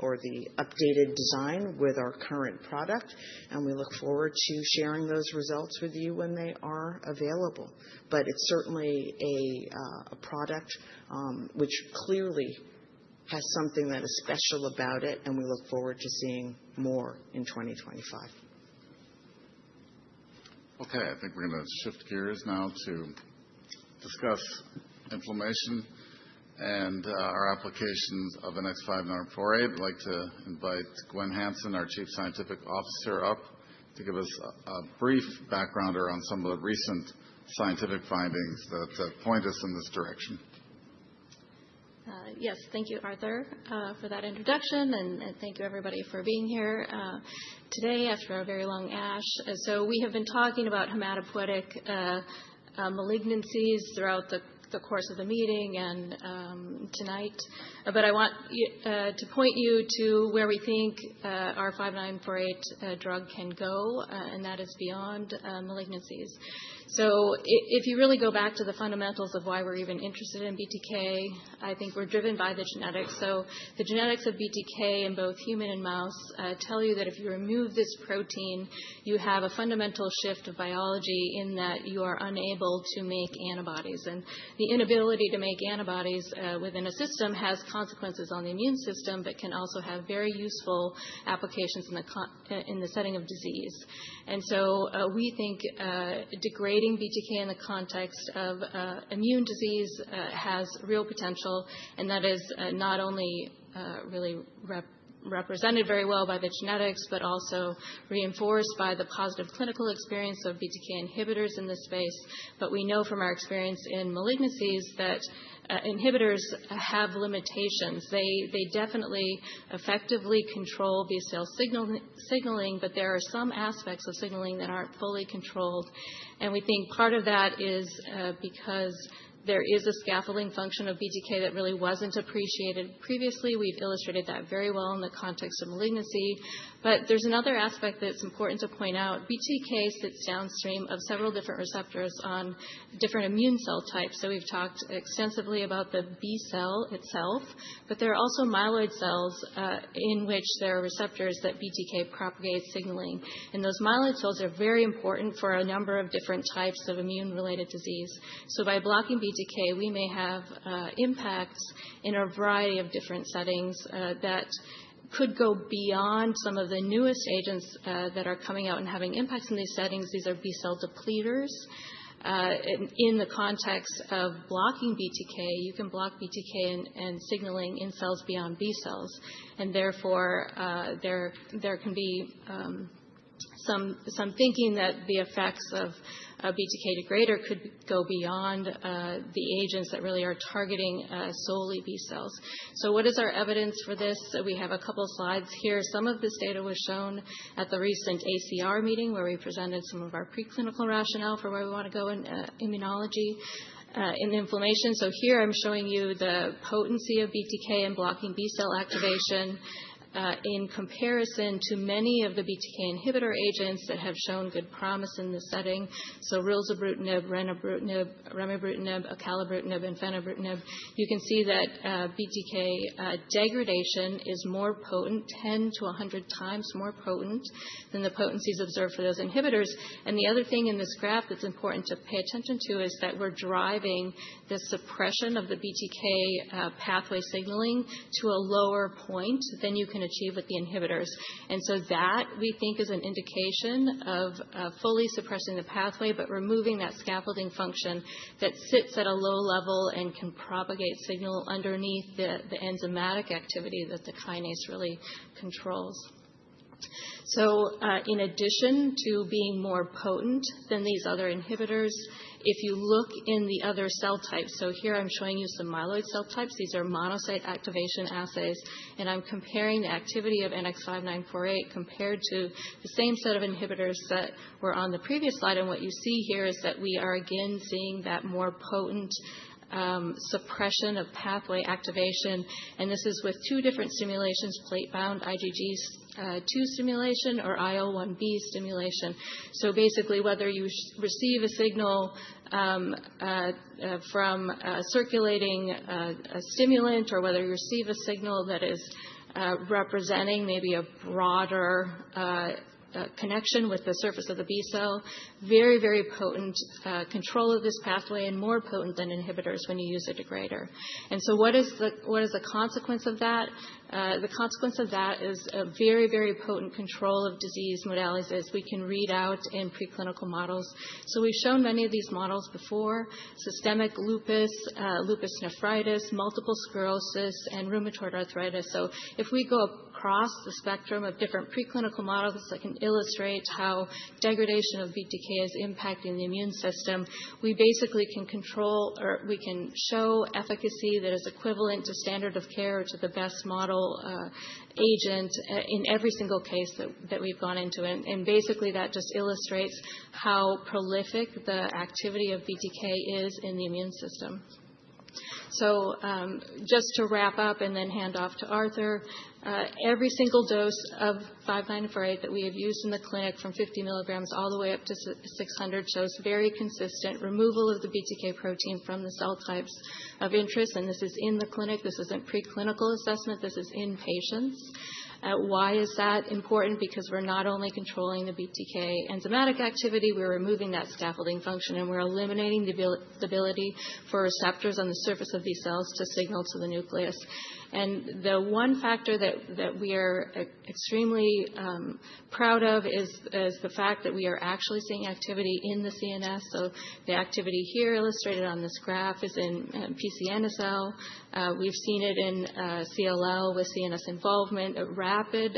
or the updated design with our current product. And we look forward to sharing those results with you when they are available. But it's certainly a product which clearly has something that is special about it, and we look forward to seeing more in 2025. Okay. I think we're going to shift gears now to discuss inflammation and our applications of NX-5948. I'd like to invite Gwenn Hansen, our Chief Scientific Officer, up to give us a brief background around some of the recent scientific findings that point us in this direction. Yes. Thank you, Arthur, for that introduction. And thank you, everybody, for being here today after a very long ASH. So we have been talking about hematopoietic malignancies throughout the course of the meeting and tonight. But I want to point you to where we think our 5948 drug can go, and that is beyond malignancies. So if you really go back to the fundamentals of why we're even interested in BTK, I think we're driven by the genetics. So the genetics of BTK in both human and mouse tell you that if you remove this protein, you have a fundamental shift of biology in that you are unable to make antibodies. And the inability to make antibodies within a system has consequences on the immune system but can also have very useful applications in the setting of disease. And so we think degrading BTK in the context of immune disease has real potential. And that is not only really represented very well by the genetics but also reinforced by the positive clinical experience of BTK inhibitors in this space. But we know from our experience in malignancies that inhibitors have limitations. They definitely effectively control B-cell signaling, but there are some aspects of signaling that aren't fully controlled. And we think part of that is because there is a scaffolding function of BTK that really wasn't appreciated previously. We've illustrated that very well in the context of malignancy. But there's another aspect that's important to point out. BTK sits downstream of several different receptors on different immune cell types. So we've talked extensively about the B-cell itself, but there are also myeloid cells in which there are receptors that BTK propagates signaling. Those myeloid cells are very important for a number of different types of immune-related disease. So by blocking BTK, we may have impacts in a variety of different settings that could go beyond some of the newest agents that are coming out and having impacts in these settings. These are B-cell depleters. In the context of blocking BTK, you can block BTK and signaling in cells beyond B-cells. And therefore, there can be some thinking that the effects of BTK degrader could go beyond the agents that really are targeting solely B-cells. So what is our evidence for this? We have a couple of slides here. Some of this data was shown at the recent ACR meeting where we presented some of our preclinical rationale for where we want to go in immunology and inflammation. So here, I'm showing you the potency of BTK in blocking B-cell activation in comparison to many of the BTK inhibitor agents that have shown good promise in this setting. So rilzabrutinib, zanubrutinib, remibrutinib, acalabrutinib, and fenebrutinib, you can see that BTK degradation is more potent, 10-100 times more potent than the potencies observed for those inhibitors. And the other thing in this graph that's important to pay attention to is that we're driving the suppression of the BTK pathway signaling to a lower point than you can achieve with the inhibitors. And so that, we think, is an indication of fully suppressing the pathway but removing that scaffolding function that sits at a low level and can propagate signal underneath the enzymatic activity that the kinase really controls. So in addition to being more potent than these other inhibitors, if you look in the other cell types, so here, I'm showing you some myeloid cell types. These are monocyte activation assays. And I'm comparing the activity of NX-5948 compared to the same set of inhibitors that were on the previous slide. And what you see here is that we are, again, seeing that more potent suppression of pathway activation. And this is with two different stimulations: plate-bound IgG2 stimulation or IL-1B stimulation. So basically, whether you receive a signal from a circulating stimulant or whether you receive a signal that is representing maybe a broader connection with the surface of the B-cell, very, very potent control of this pathway and more potent than inhibitors when you use a degrader. And so what is the consequence of that? The consequence of that is a very, very potent control of disease modalities as we can read out in preclinical models. So we've shown many of these models before: systemic lupus, lupus nephritis, multiple sclerosis, and rheumatoid arthritis. So if we go across the spectrum of different preclinical models that can illustrate how degradation of BTK is impacting the immune system, we basically can control or we can show efficacy that is equivalent to standard of care or to the best model agent in every single case that we've gone into. And basically, that just illustrates how prolific the activity of BTK is in the immune system. So just to wrap up and then hand off to Arthur, every single dose of 5948 that we have used in the clinic from 50 milligrams all the way up to 600 shows very consistent removal of the BTK protein from the cell types of interest. And this is in the clinic. This isn't preclinical assessment. This is in patients. Why is that important? Because we're not only controlling the BTK enzymatic activity. We're removing that scaffolding function, and we're eliminating the ability for receptors on the surface of these cells to signal to the nucleus. And the one factor that we are extremely proud of is the fact that we are actually seeing activity in the CNS. So the activity here illustrated on this graph is in PCNSL. We've seen it in CLL with CNS involvement. Rapid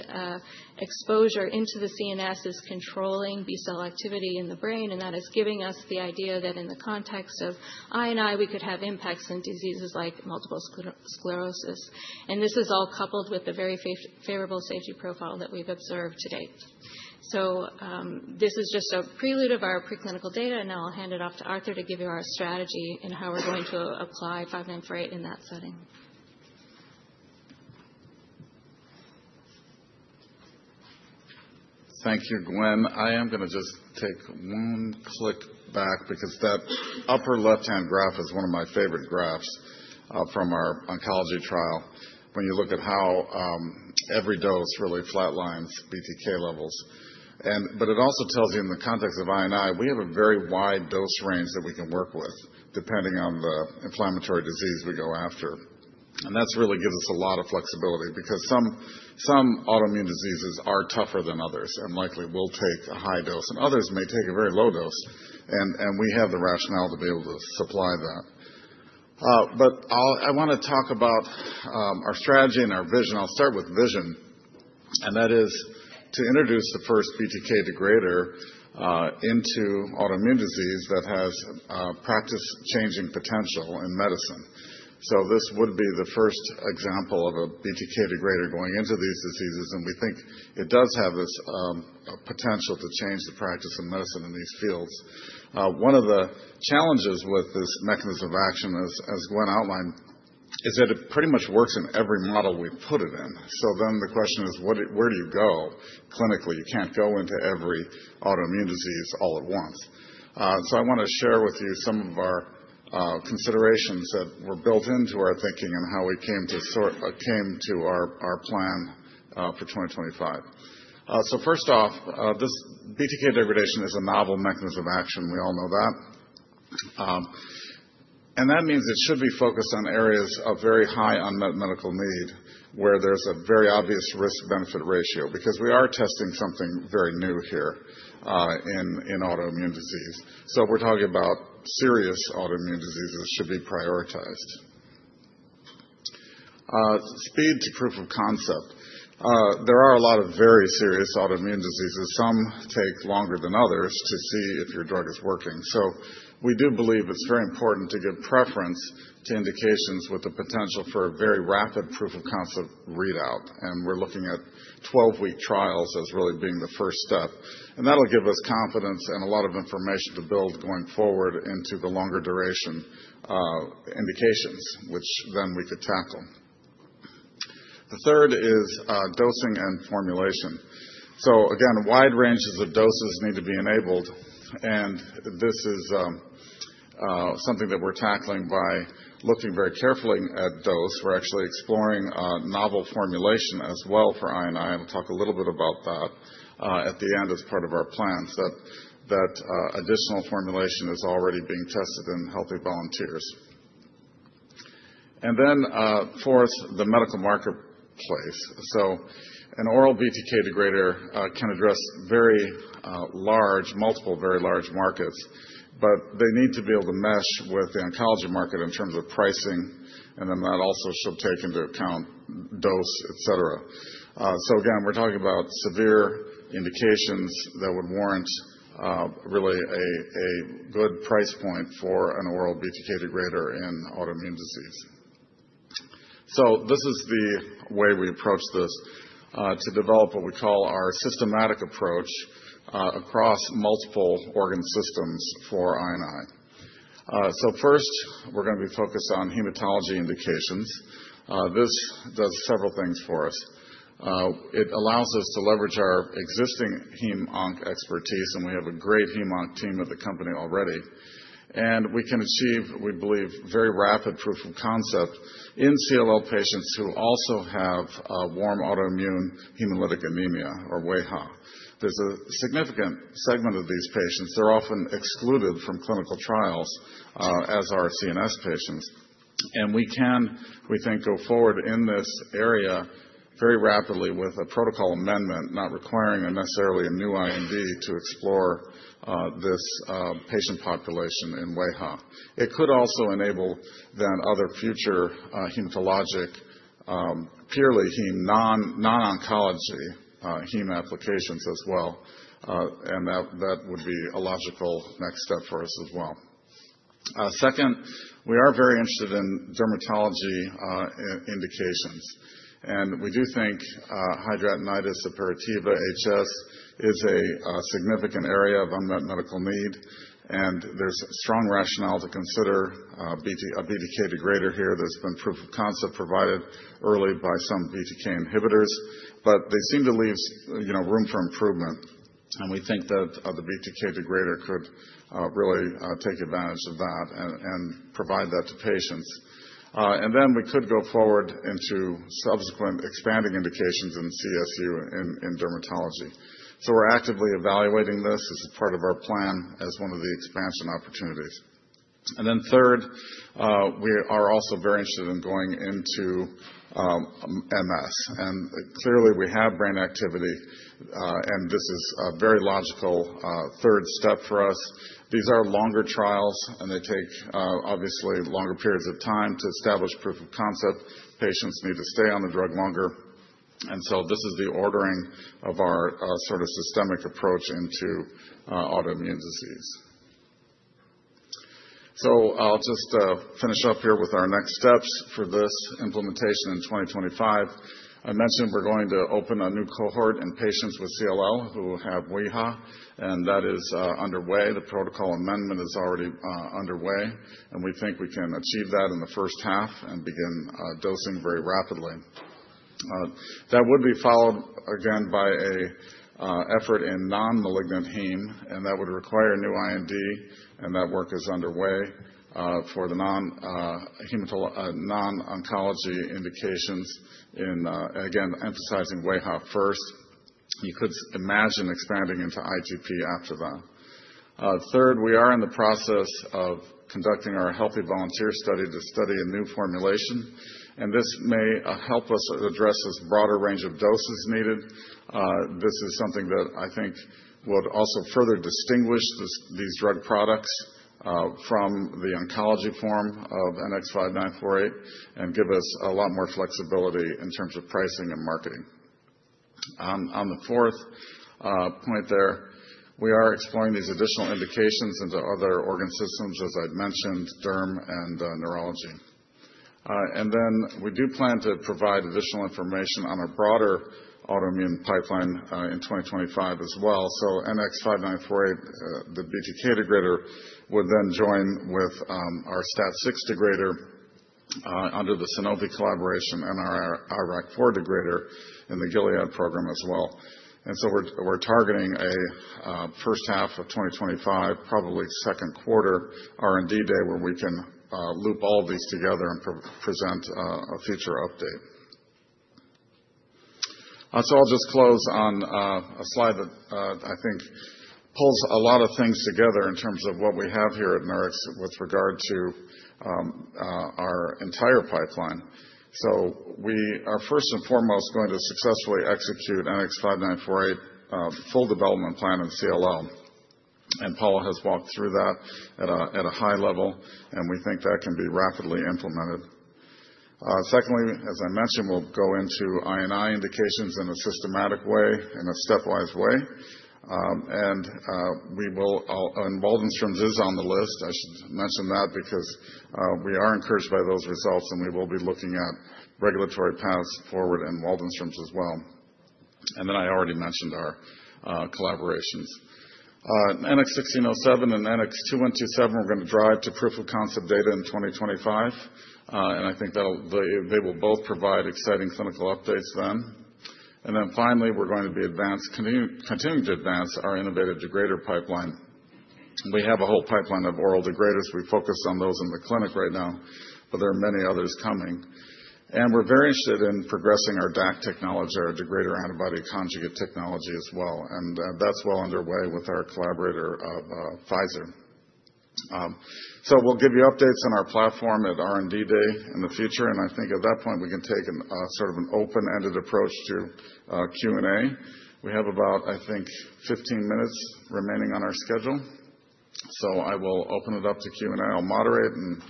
exposure into the CNS is controlling B-cell activity in the brain. That is giving us the idea that in the context of I&I, we could have impacts in diseases like multiple sclerosis. This is all coupled with the very favorable safety profile that we've observed to date. This is just a prelude of our preclinical data. Now I'll hand it off to Arthur to give you our strategy and how we're going to apply 5948 in that setting. Thank you, Gwenn. I am going to just take one click back because that upper left-hand graph is one of my favorite graphs from our oncology trial. When you look at how every dose really flatlines BTK levels, but it also tells you in the context of I&I, we have a very wide dose range that we can work with depending on the inflammatory disease we go after, and that really gives us a lot of flexibility because some autoimmune diseases are tougher than others and likely will take a high dose, and others may take a very low dose, and we have the rationale to be able to supply that, but I want to talk about our strategy and our vision. I'll start with vision, and that is to introduce the first BTK degrader into autoimmune disease that has practice-changing potential in medicine. This would be the first example of a BTK degrader going into these diseases. And we think it does have this potential to change the practice of medicine in these fields. One of the challenges with this mechanism of action, as Gwenn outlined, is that it pretty much works in every model we put it in. So then the question is, where do you go clinically? You can't go into every autoimmune disease all at once. So I want to share with you some of our considerations that were built into our thinking and how we came to our plan for 2025. So first off, this BTK degradation is a novel mechanism of action. We all know that. And that means it should be focused on areas of very high unmet medical need where there's a very obvious risk-benefit ratio because we are testing something very new here in autoimmune disease. So if we're talking about serious autoimmune diseases, it should be prioritized. Speed to proof of concept. There are a lot of very serious autoimmune diseases. Some take longer than others to see if your drug is working. So we do believe it's very important to give preference to indications with the potential for a very rapid proof of concept readout. And we're looking at 12-week trials as really being the first step. And that'll give us confidence and a lot of information to build going forward into the longer-duration indications, which then we could tackle. The third is dosing and formulation. So again, wide ranges of doses need to be enabled. And this is something that we're tackling by looking very carefully at dose. We're actually exploring a novel formulation as well for I&I. I'll talk a little bit about that at the end as part of our plans. That additional formulation is already being tested in healthy volunteers. And then fourth, the medical marketplace. So an oral BTK degrader can address very large, multiple very large markets, but they need to be able to mesh with the oncology market in terms of pricing. And then that also should take into account dose, et cetera. So again, we're talking about severe indications that would warrant really a good price point for an oral BTK degrader in autoimmune disease. So this is the way we approach this to develop what we call our systematic approach across multiple organ systems for I&I. So first, we're going to be focused on hematology indications. This does several things for us. It allows us to leverage our existing heme-onc expertise. And we have a great heme-onc team at the company already. And we can achieve, we believe, very rapid proof of concept in CLL patients who also have warm autoimmune hemolytic anemia (WHA). There's a significant segment of these patients. They're often excluded from clinical trials as our CNS patients. And we can, we think, go forward in this area very rapidly with a protocol amendment not requiring necessarily a new IND to explore this patient population in WHA. It could also enable then other future hematologic purely heme non-oncology heme applications as well. And that would be a logical next step for us as well. Second, we are very interested in dermatology indications. And we do think hidradenitis suppurativa HS is a significant area of unmet medical need. And there's strong rationale to consider a BTK degrader here. There's been proof of concept provided early by some BTK inhibitors. But they seem to leave room for improvement. And we think that the BTK degrader could really take advantage of that and provide that to patients. And then we could go forward into subsequent expanding indications in CSU in dermatology. So we're actively evaluating this. This is part of our plan as one of the expansion opportunities. And then third, we are also very interested in going into MS. And clearly, we have brain activity. And this is a very logical third step for us. These are longer trials. And they take obviously longer periods of time to establish proof of concept. Patients need to stay on the drug longer. And so this is the ordering of our sort of systemic approach into autoimmune disease. I'll just finish up here with our next steps for this implementation in 2025. I mentioned we're going to open a new cohort in patients with CLL who have WHA. That is underway. The protocol amendment is already underway. We think we can achieve that in the first half and begin dosing very rapidly. That would be followed, again, by an effort in non-malignant heme. That would require a new IND. That work is underway for the non-oncology indications in, again, emphasizing WHA first. You could imagine expanding into ITP after that. Third, we are in the process of conducting our healthy volunteer study to study a new formulation. This may help us address this broader range of doses needed. This is something that I think would also further distinguish these drug products from the oncology form of NX-5948 and give us a lot more flexibility in terms of pricing and marketing. On the fourth point there, we are exploring these additional indications into other organ systems, as I'd mentioned, derm and neurology, and then we do plan to provide additional information on a broader autoimmune pipeline in 2025 as well, so NX-5948, the BTK degrader, would then join with our STAT6 degrader under the Sanofi collaboration and our IRAK4 degrader in the Gilead program as well, and so we're targeting a first half of 2025, probably second quarter R&D day where we can loop all of these together and present a future update. I'll just close on a slide that I think pulls a lot of things together in terms of what we have here at Nurix with regard to our entire pipeline. We are first and foremost going to successfully execute NX-5948 full development plan in CLL. Paula has walked through that at a high level. We think that can be rapidly implemented. Secondly, as I mentioned, we'll go into I&I indications in a systematic way, in a stepwise way. Waldenström's is on the list. I should mention that because we are encouraged by those results. We will be looking at regulatory paths forward in Waldenström's as well. Then I already mentioned our collaborations. NX1607 and NX2127, we're going to drive to proof of concept data in 2025. I think they will both provide exciting clinical updates then. And then finally, we're going to be continuing to advance our innovative degrader pipeline. We have a whole pipeline of oral degraders. We focus on those in the clinic right now. But there are many others coming. And we're very interested in progressing our DAC technology, our degrader antibody conjugate technology as well. And that's well underway with our collaborator Pfizer. So we'll give you updates on our platform at R&D day in the future. And I think at that point, we can take sort of an open-ended approach to Q&A. We have about, I think, 15 minutes remaining on our schedule. So I will open it up to Q&A. I'll moderate. And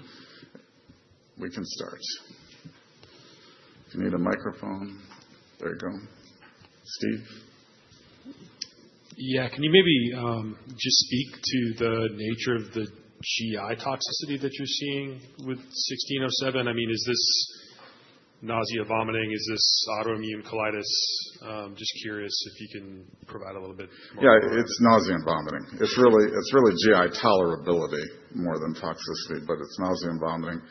we can start. If you need a microphone, there you go. Steve. Yeah. Can you maybe just speak to the nature of the GI toxicity that you're seeing with 1607? I mean, is this nausea, vomiting? Is this autoimmune colitis? Just curious if you can provide a little bit more. Yeah. It's nausea and vomiting. It's really GI tolerability more than toxicity. But it's nausea and vomiting.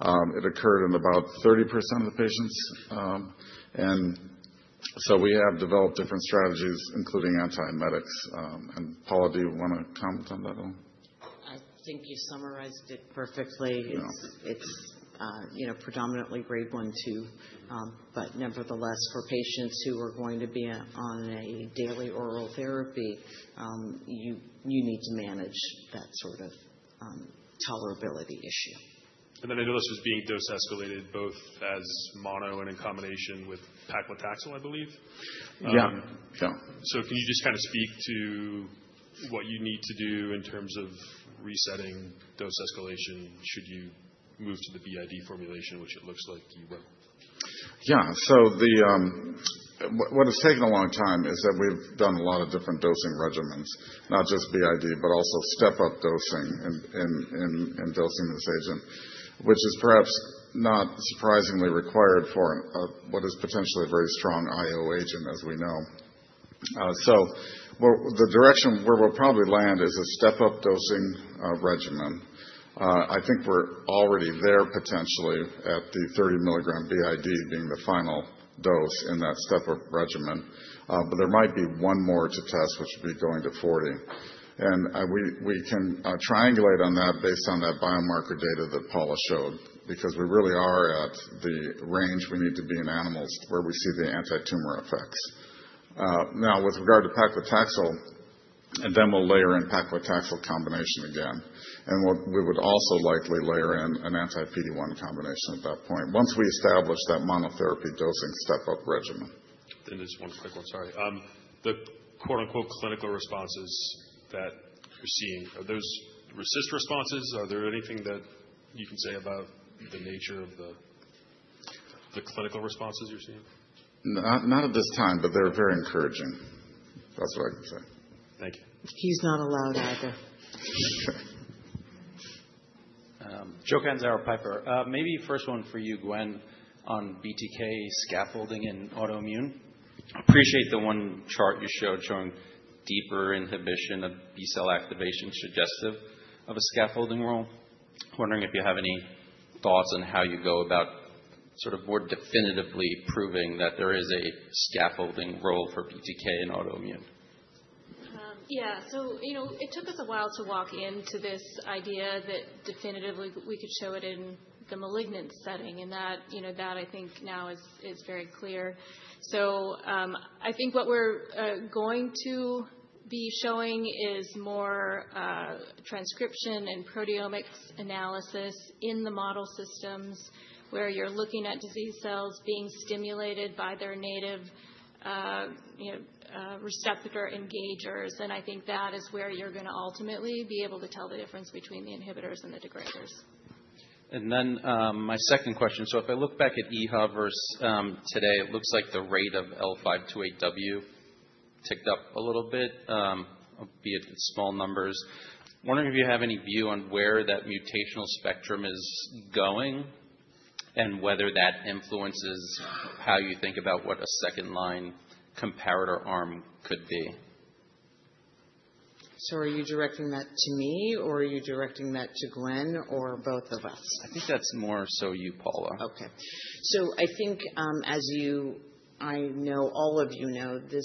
It occurred in about 30% of the patients. And so we have developed different strategies, including antiemetics. And Paula, do you want to comment on that at all? I think you summarized it perfectly. It's predominantly grade 1, 2. But nevertheless, for patients who are going to be on a daily oral therapy, you need to manage that sort of tolerability issue. I know this was being dose-escalated both as mono and in combination with paclitaxel, I believe. Yeah. Yeah. Can you just kind of speak to what you need to do in terms of resetting dose escalation should you move to the BID formulation, which it looks like you will? Yeah. So what has taken a long time is that we've done a lot of different dosing regimens, not just BID, but also step-up dosing and dosing this agent, which is perhaps not surprisingly required for what is potentially a very strong IO agent, as we know. The direction where we'll probably land is a step-up dosing regimen. I think we're already there potentially at the 30 milligrams BID being the final dose in that step-up regimen. But there might be one more to test, which would be going to 40 milligrams. We can triangulate on that based on that biomarker data that Paula showed because we really are at the range we need to be in animals where we see the anti-tumor effects. Now, with regard to paclitaxel, and then we'll layer in paclitaxel combination again. We would also likely layer in an anti-PD-1 combination at that point once we establish that monotherapy dosing step-up regimen. And just one quick one. Sorry. The "clinical responses" that you're seeing, are those resistant responses? Are there anything that you can say about the nature of the clinical responses you're seeing? Not at this time. But they're very encouraging. That's what I can say. Thank you. Catanzaro, Piper Sandler. Maybe first one for you, Gwenn, on BTK scaffolding in autoimmune. Appreciate the one chart you showed showing deeper inhibition of B-cell activation suggestive of a scaffolding role. Wondering if you have any thoughts on how you go about sort of more definitively proving that there is a scaffolding role for BTK in autoimmune. Yeah. So it took us a while to walk into this idea that definitively we could show it in the malignant setting. And that, I think, now is very clear. So I think what we're going to be showing is more transcription and proteomics analysis in the model systems where you're looking at disease cells being stimulated by their native receptor engagers. And I think that is where you're going to ultimately be able to tell the difference between the inhibitors and the degraders. And then my second question. So if I look back at earlier versus today, it looks like the rate of L528W ticked up a little bit, albeit small numbers. Wondering if you have any view on where that mutational spectrum is going and whether that influences how you think about what a second-line comparator arm could be? So are you directing that to me? Or are you directing that to Gwen? Or both of us? I think that's more so you, Paula. OK. So I think, as you know, all of you know, the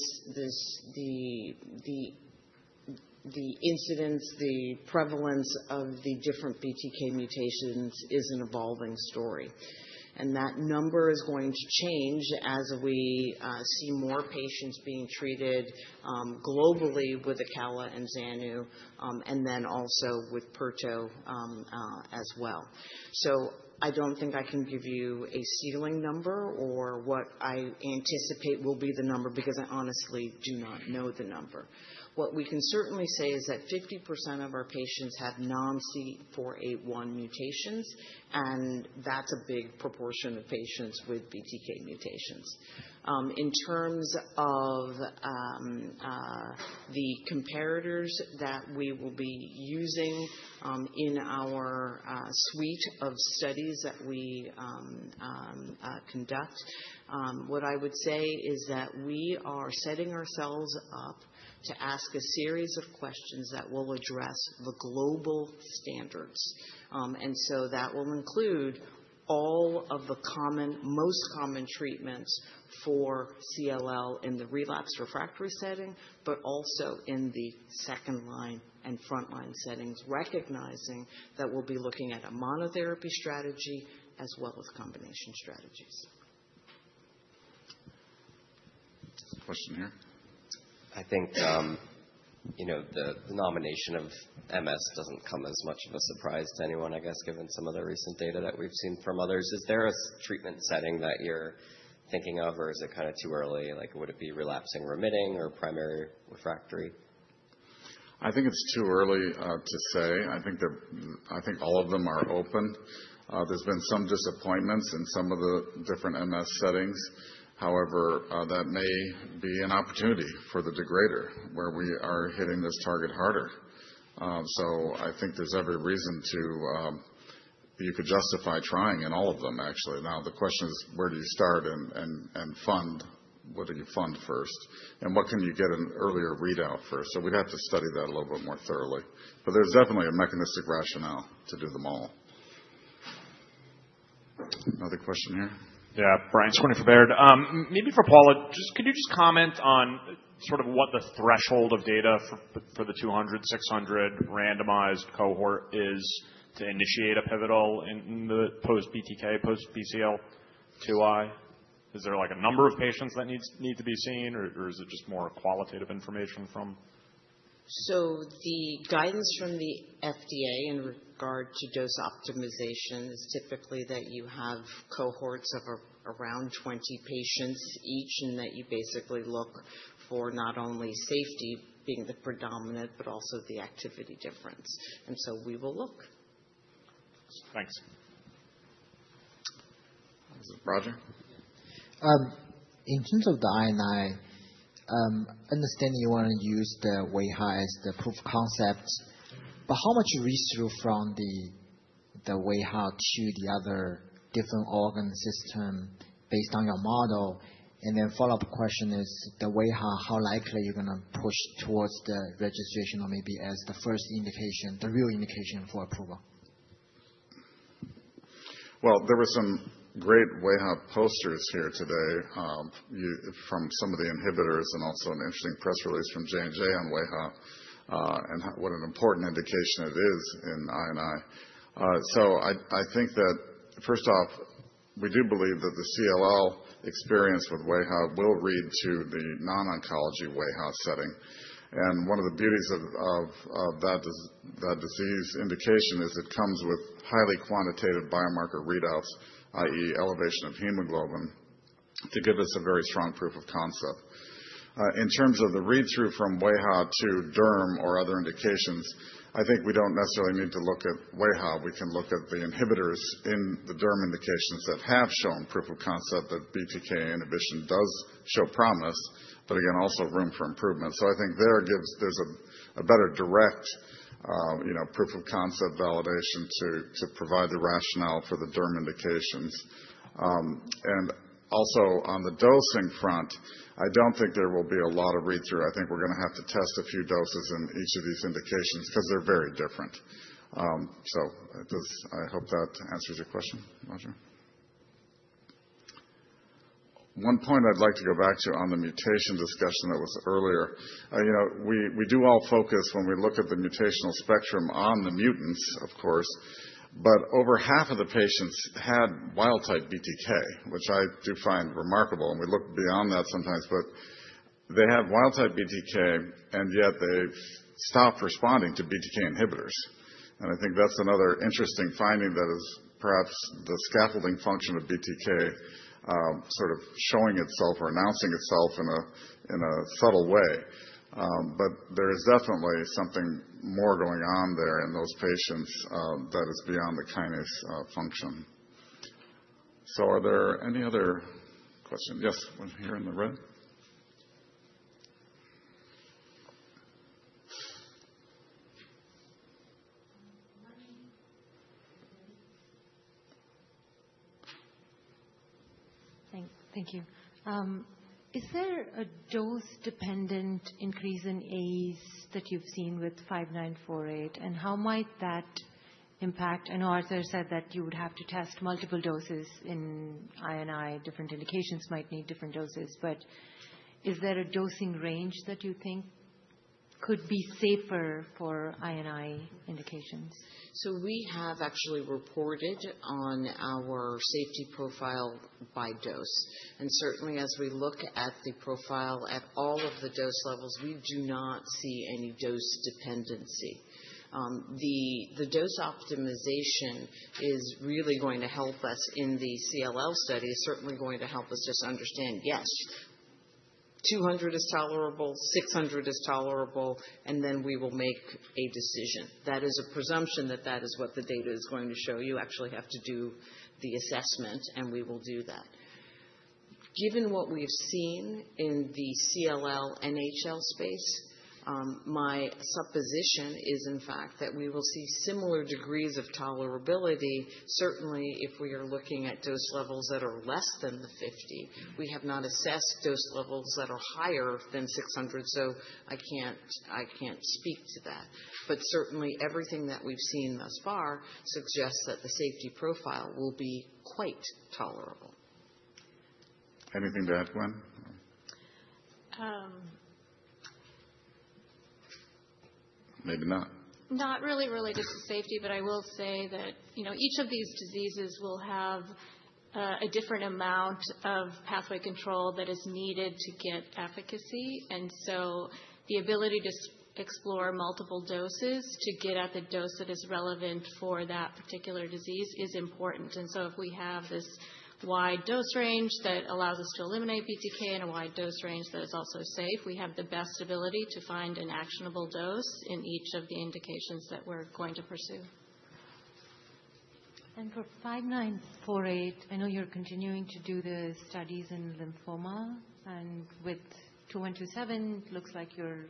incidence, the prevalence of the different BTK mutations is an evolving story. And that number is going to change as we see more patients being treated globally with acalabrutinib and zanubrutinib, and then also with pirtobrutinib as well. So I don't think I can give you a ceiling number or what I anticipate will be the number because I honestly do not know the number. What we can certainly say is that 50% of our patients have non-C481 mutations. And that's a big proportion of patients with BTK mutations. In terms of the comparators that we will be using in our suite of studies that we conduct, what I would say is that we are setting ourselves up to ask a series of questions that will address the global standards. That will include all of the most common treatments for CLL in the relapse refractory setting, but also in the second-line and front-line settings, recognizing that we'll be looking at a monotherapy strategy as well as combination strategies. I think the nomination of MS doesn't come as much of a surprise to anyone, I guess, given some of the recent data that we've seen from others. Is there a treatment setting that you're thinking of? Or is it kind of too early? Would it be relapsing-remitting or primary refractory? I think it's too early to say. I think all of them are open. There's been some disappointments in some of the different MS settings. However, that may be an opportunity for the degrader, where we are hitting this target harder. So I think there's every reason to you could justify trying in all of them, actually. Now, the question is, where do you start and fund? What do you fund first? And what can you get an earlier readout for? So we'd have to study that a little bit more thoroughly. But there's definitely a mechanistic rationale to do them all. Another question here? Yeah. Brian from Baird. Maybe for Paula, could you just comment on sort of what the threshold of data for the 200, 600 randomized cohort is to initiate a pivotal in the post-BTK, post-BCL2I? Is there a number of patients that need to be seen? Or is it just more qualitative information from? So the guidance from the FDA in regard to dose optimization is typically that you have cohorts of around 20 patients each and that you basically look for not only safety being the predominant, but also the activity difference. And so we will look. Thanks. This is Roger. In terms of the IND, I understand you want to use the WHA as the proof concept. But how much rescue from the WHA to the other different organ system based on your model? And then follow-up question is, the WHA, how likely are you going to push towards the registration or maybe as the first indication, the real indication for approval? There were some great WHA posters here today from some of the inhibitors and also an interesting press release from J&J on WHA and what an important indication it is in IMID. I think that, first off, we do believe that the CLL experience with WHA will read through to the non-oncology WHA setting. One of the beauties of that disease indication is it comes with highly quantitative biomarker readouts, i.e., elevation of hemoglobin, to give us a very strong proof of concept. In terms of the read-through from WHA to derm or other indications, I think we don't necessarily need to look at WHA. We can look at the inhibitors in the derm indications that have shown proof of concept that BTK inhibition does show promise, but again, also room for improvement. I think there's a better direct proof of concept validation to provide the rationale for the derm indications. Also, on the dosing front, I don't think there will be a lot of read-through. I think we're going to have to test a few doses in each of these indications because they're very different. I hope that answers your question, roger. One point I'd like to go back to on the mutation discussion that was earlier. We do all focus, when we look at the mutational spectrum, on the mutants, of course. Over half of the patients had wild-type BTK, which I do find remarkable. We look beyond that sometimes. They had wild-type BTK, and yet they stopped responding to BTK inhibitors. And I think that's another interesting finding that is perhaps the scaffolding function of BTK sort of showing itself or announcing itself in a subtle way. But there is definitely something more going on there in those patients that is beyond the kinase function. So are there any other questions? Thank you. Is there a dose-dependent increase in AEs that you've seen with 5948? And how might that impact? I know Arthur said that you would have to test multiple doses in any. Different indications might need different doses. But is there a dosing range that you think could be safer for any indications? We have actually reported on our safety profile by dose. Certainly, as we look at the profile at all of the dose levels, we do not see any dose dependency. The dose optimization is really going to help us in the CLL study. It's certainly going to help us just understand, yes, 200 is tolerable, 600 is tolerable. Then we will make a decision. That is a presumption that that is what the data is going to show. You actually have to do the assessment. We will do that. Given what we have seen in the CLL/NHL space, my supposition is, in fact, that we will see similar degrees of tolerability, certainly if we are looking at dose levels that are less than the 50. We have not assessed dose levels that are higher than 600. I can't speak to that. But certainly, everything that we've seen thus far suggests that the safety profile will be quite tolerable. Anything to add, Gwen? Maybe not. Not really related to safety. But I will say that each of these diseases will have a different amount of pathway control that is needed to get efficacy. And so the ability to explore multiple doses to get at the dose that is relevant for that particular disease is important. And so if we have this wide dose range that allows us to eliminate BTK in a wide dose range that is also safe, we have the best ability to find an actionable dose in each of the indications that we're going to pursue. And for 5948, I know you're continuing to do the studies in lymphoma. And with 2127, it looks like you're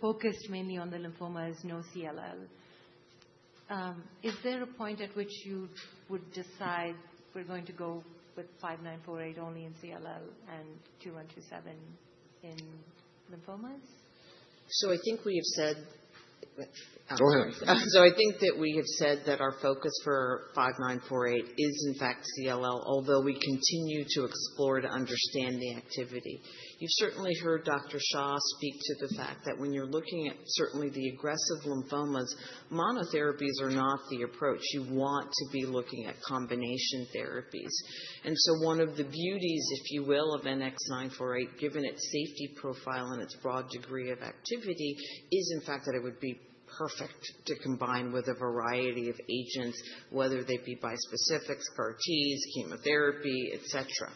focused mainly on the lymphomas, no CLL. Is there a point at which you would decide we're going to go with 5948 only in CLL and 2127 in lymphomas? I think we have said. Go ahead. So I think that we have said that our focus for NX-5948 is, in fact, CLL, although we continue to explore to understand the activity. You've certainly heard Dr. Shah speak to the fact that when you're looking at certainly the aggressive lymphomas, monotherapies are not the approach. You want to be looking at combination therapies. And so one of the beauties, if you will, of NX-5948, given its safety profile and its broad degree of activity, is, in fact, that it would be perfect to combine with a variety of agents, whether they be bispecifics, CAR-Ts, chemotherapy, et cetera.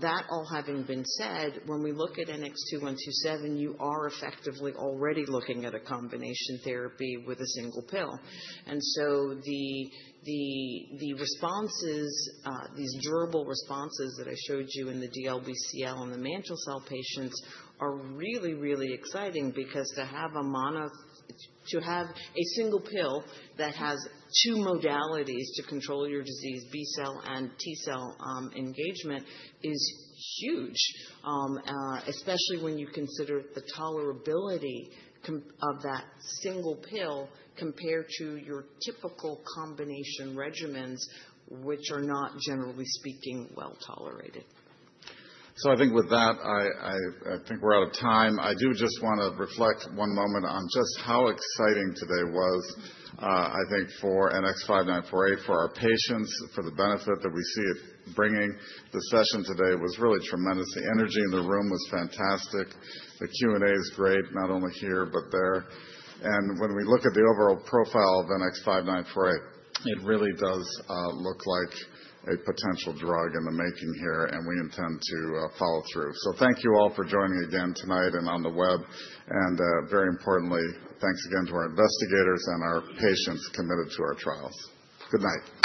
That all having been said, when we look at NX-2127, you are effectively already looking at a combination therapy with a single pill. And so the responses, these durable responses that I showed you in the DLBCL and the mantle cell patients, are really, really exciting because to have a single pill that has two modalities to control your disease, B-cell and T-cell engagement, is huge, especially when you consider the tolerability of that single pill compared to your typical combination regimens, which are not, generally speaking, well tolerated. So I think with that, I think we're out of time. I do just want to reflect one moment on just how exciting today was, I think, for NX-5948, for our patients, for the benefit that we see it bringing. The session today was really tremendous. The energy in the room was fantastic. The Q&A is great, not only here but there. And when we look at the overall profile of NX-5948, it really does look like a potential drug in the making here. And we intend to follow through. So thank you all for joining again tonight and on the web. And very importantly, thanks again to our investigators and our patients committed to our trials. Good night.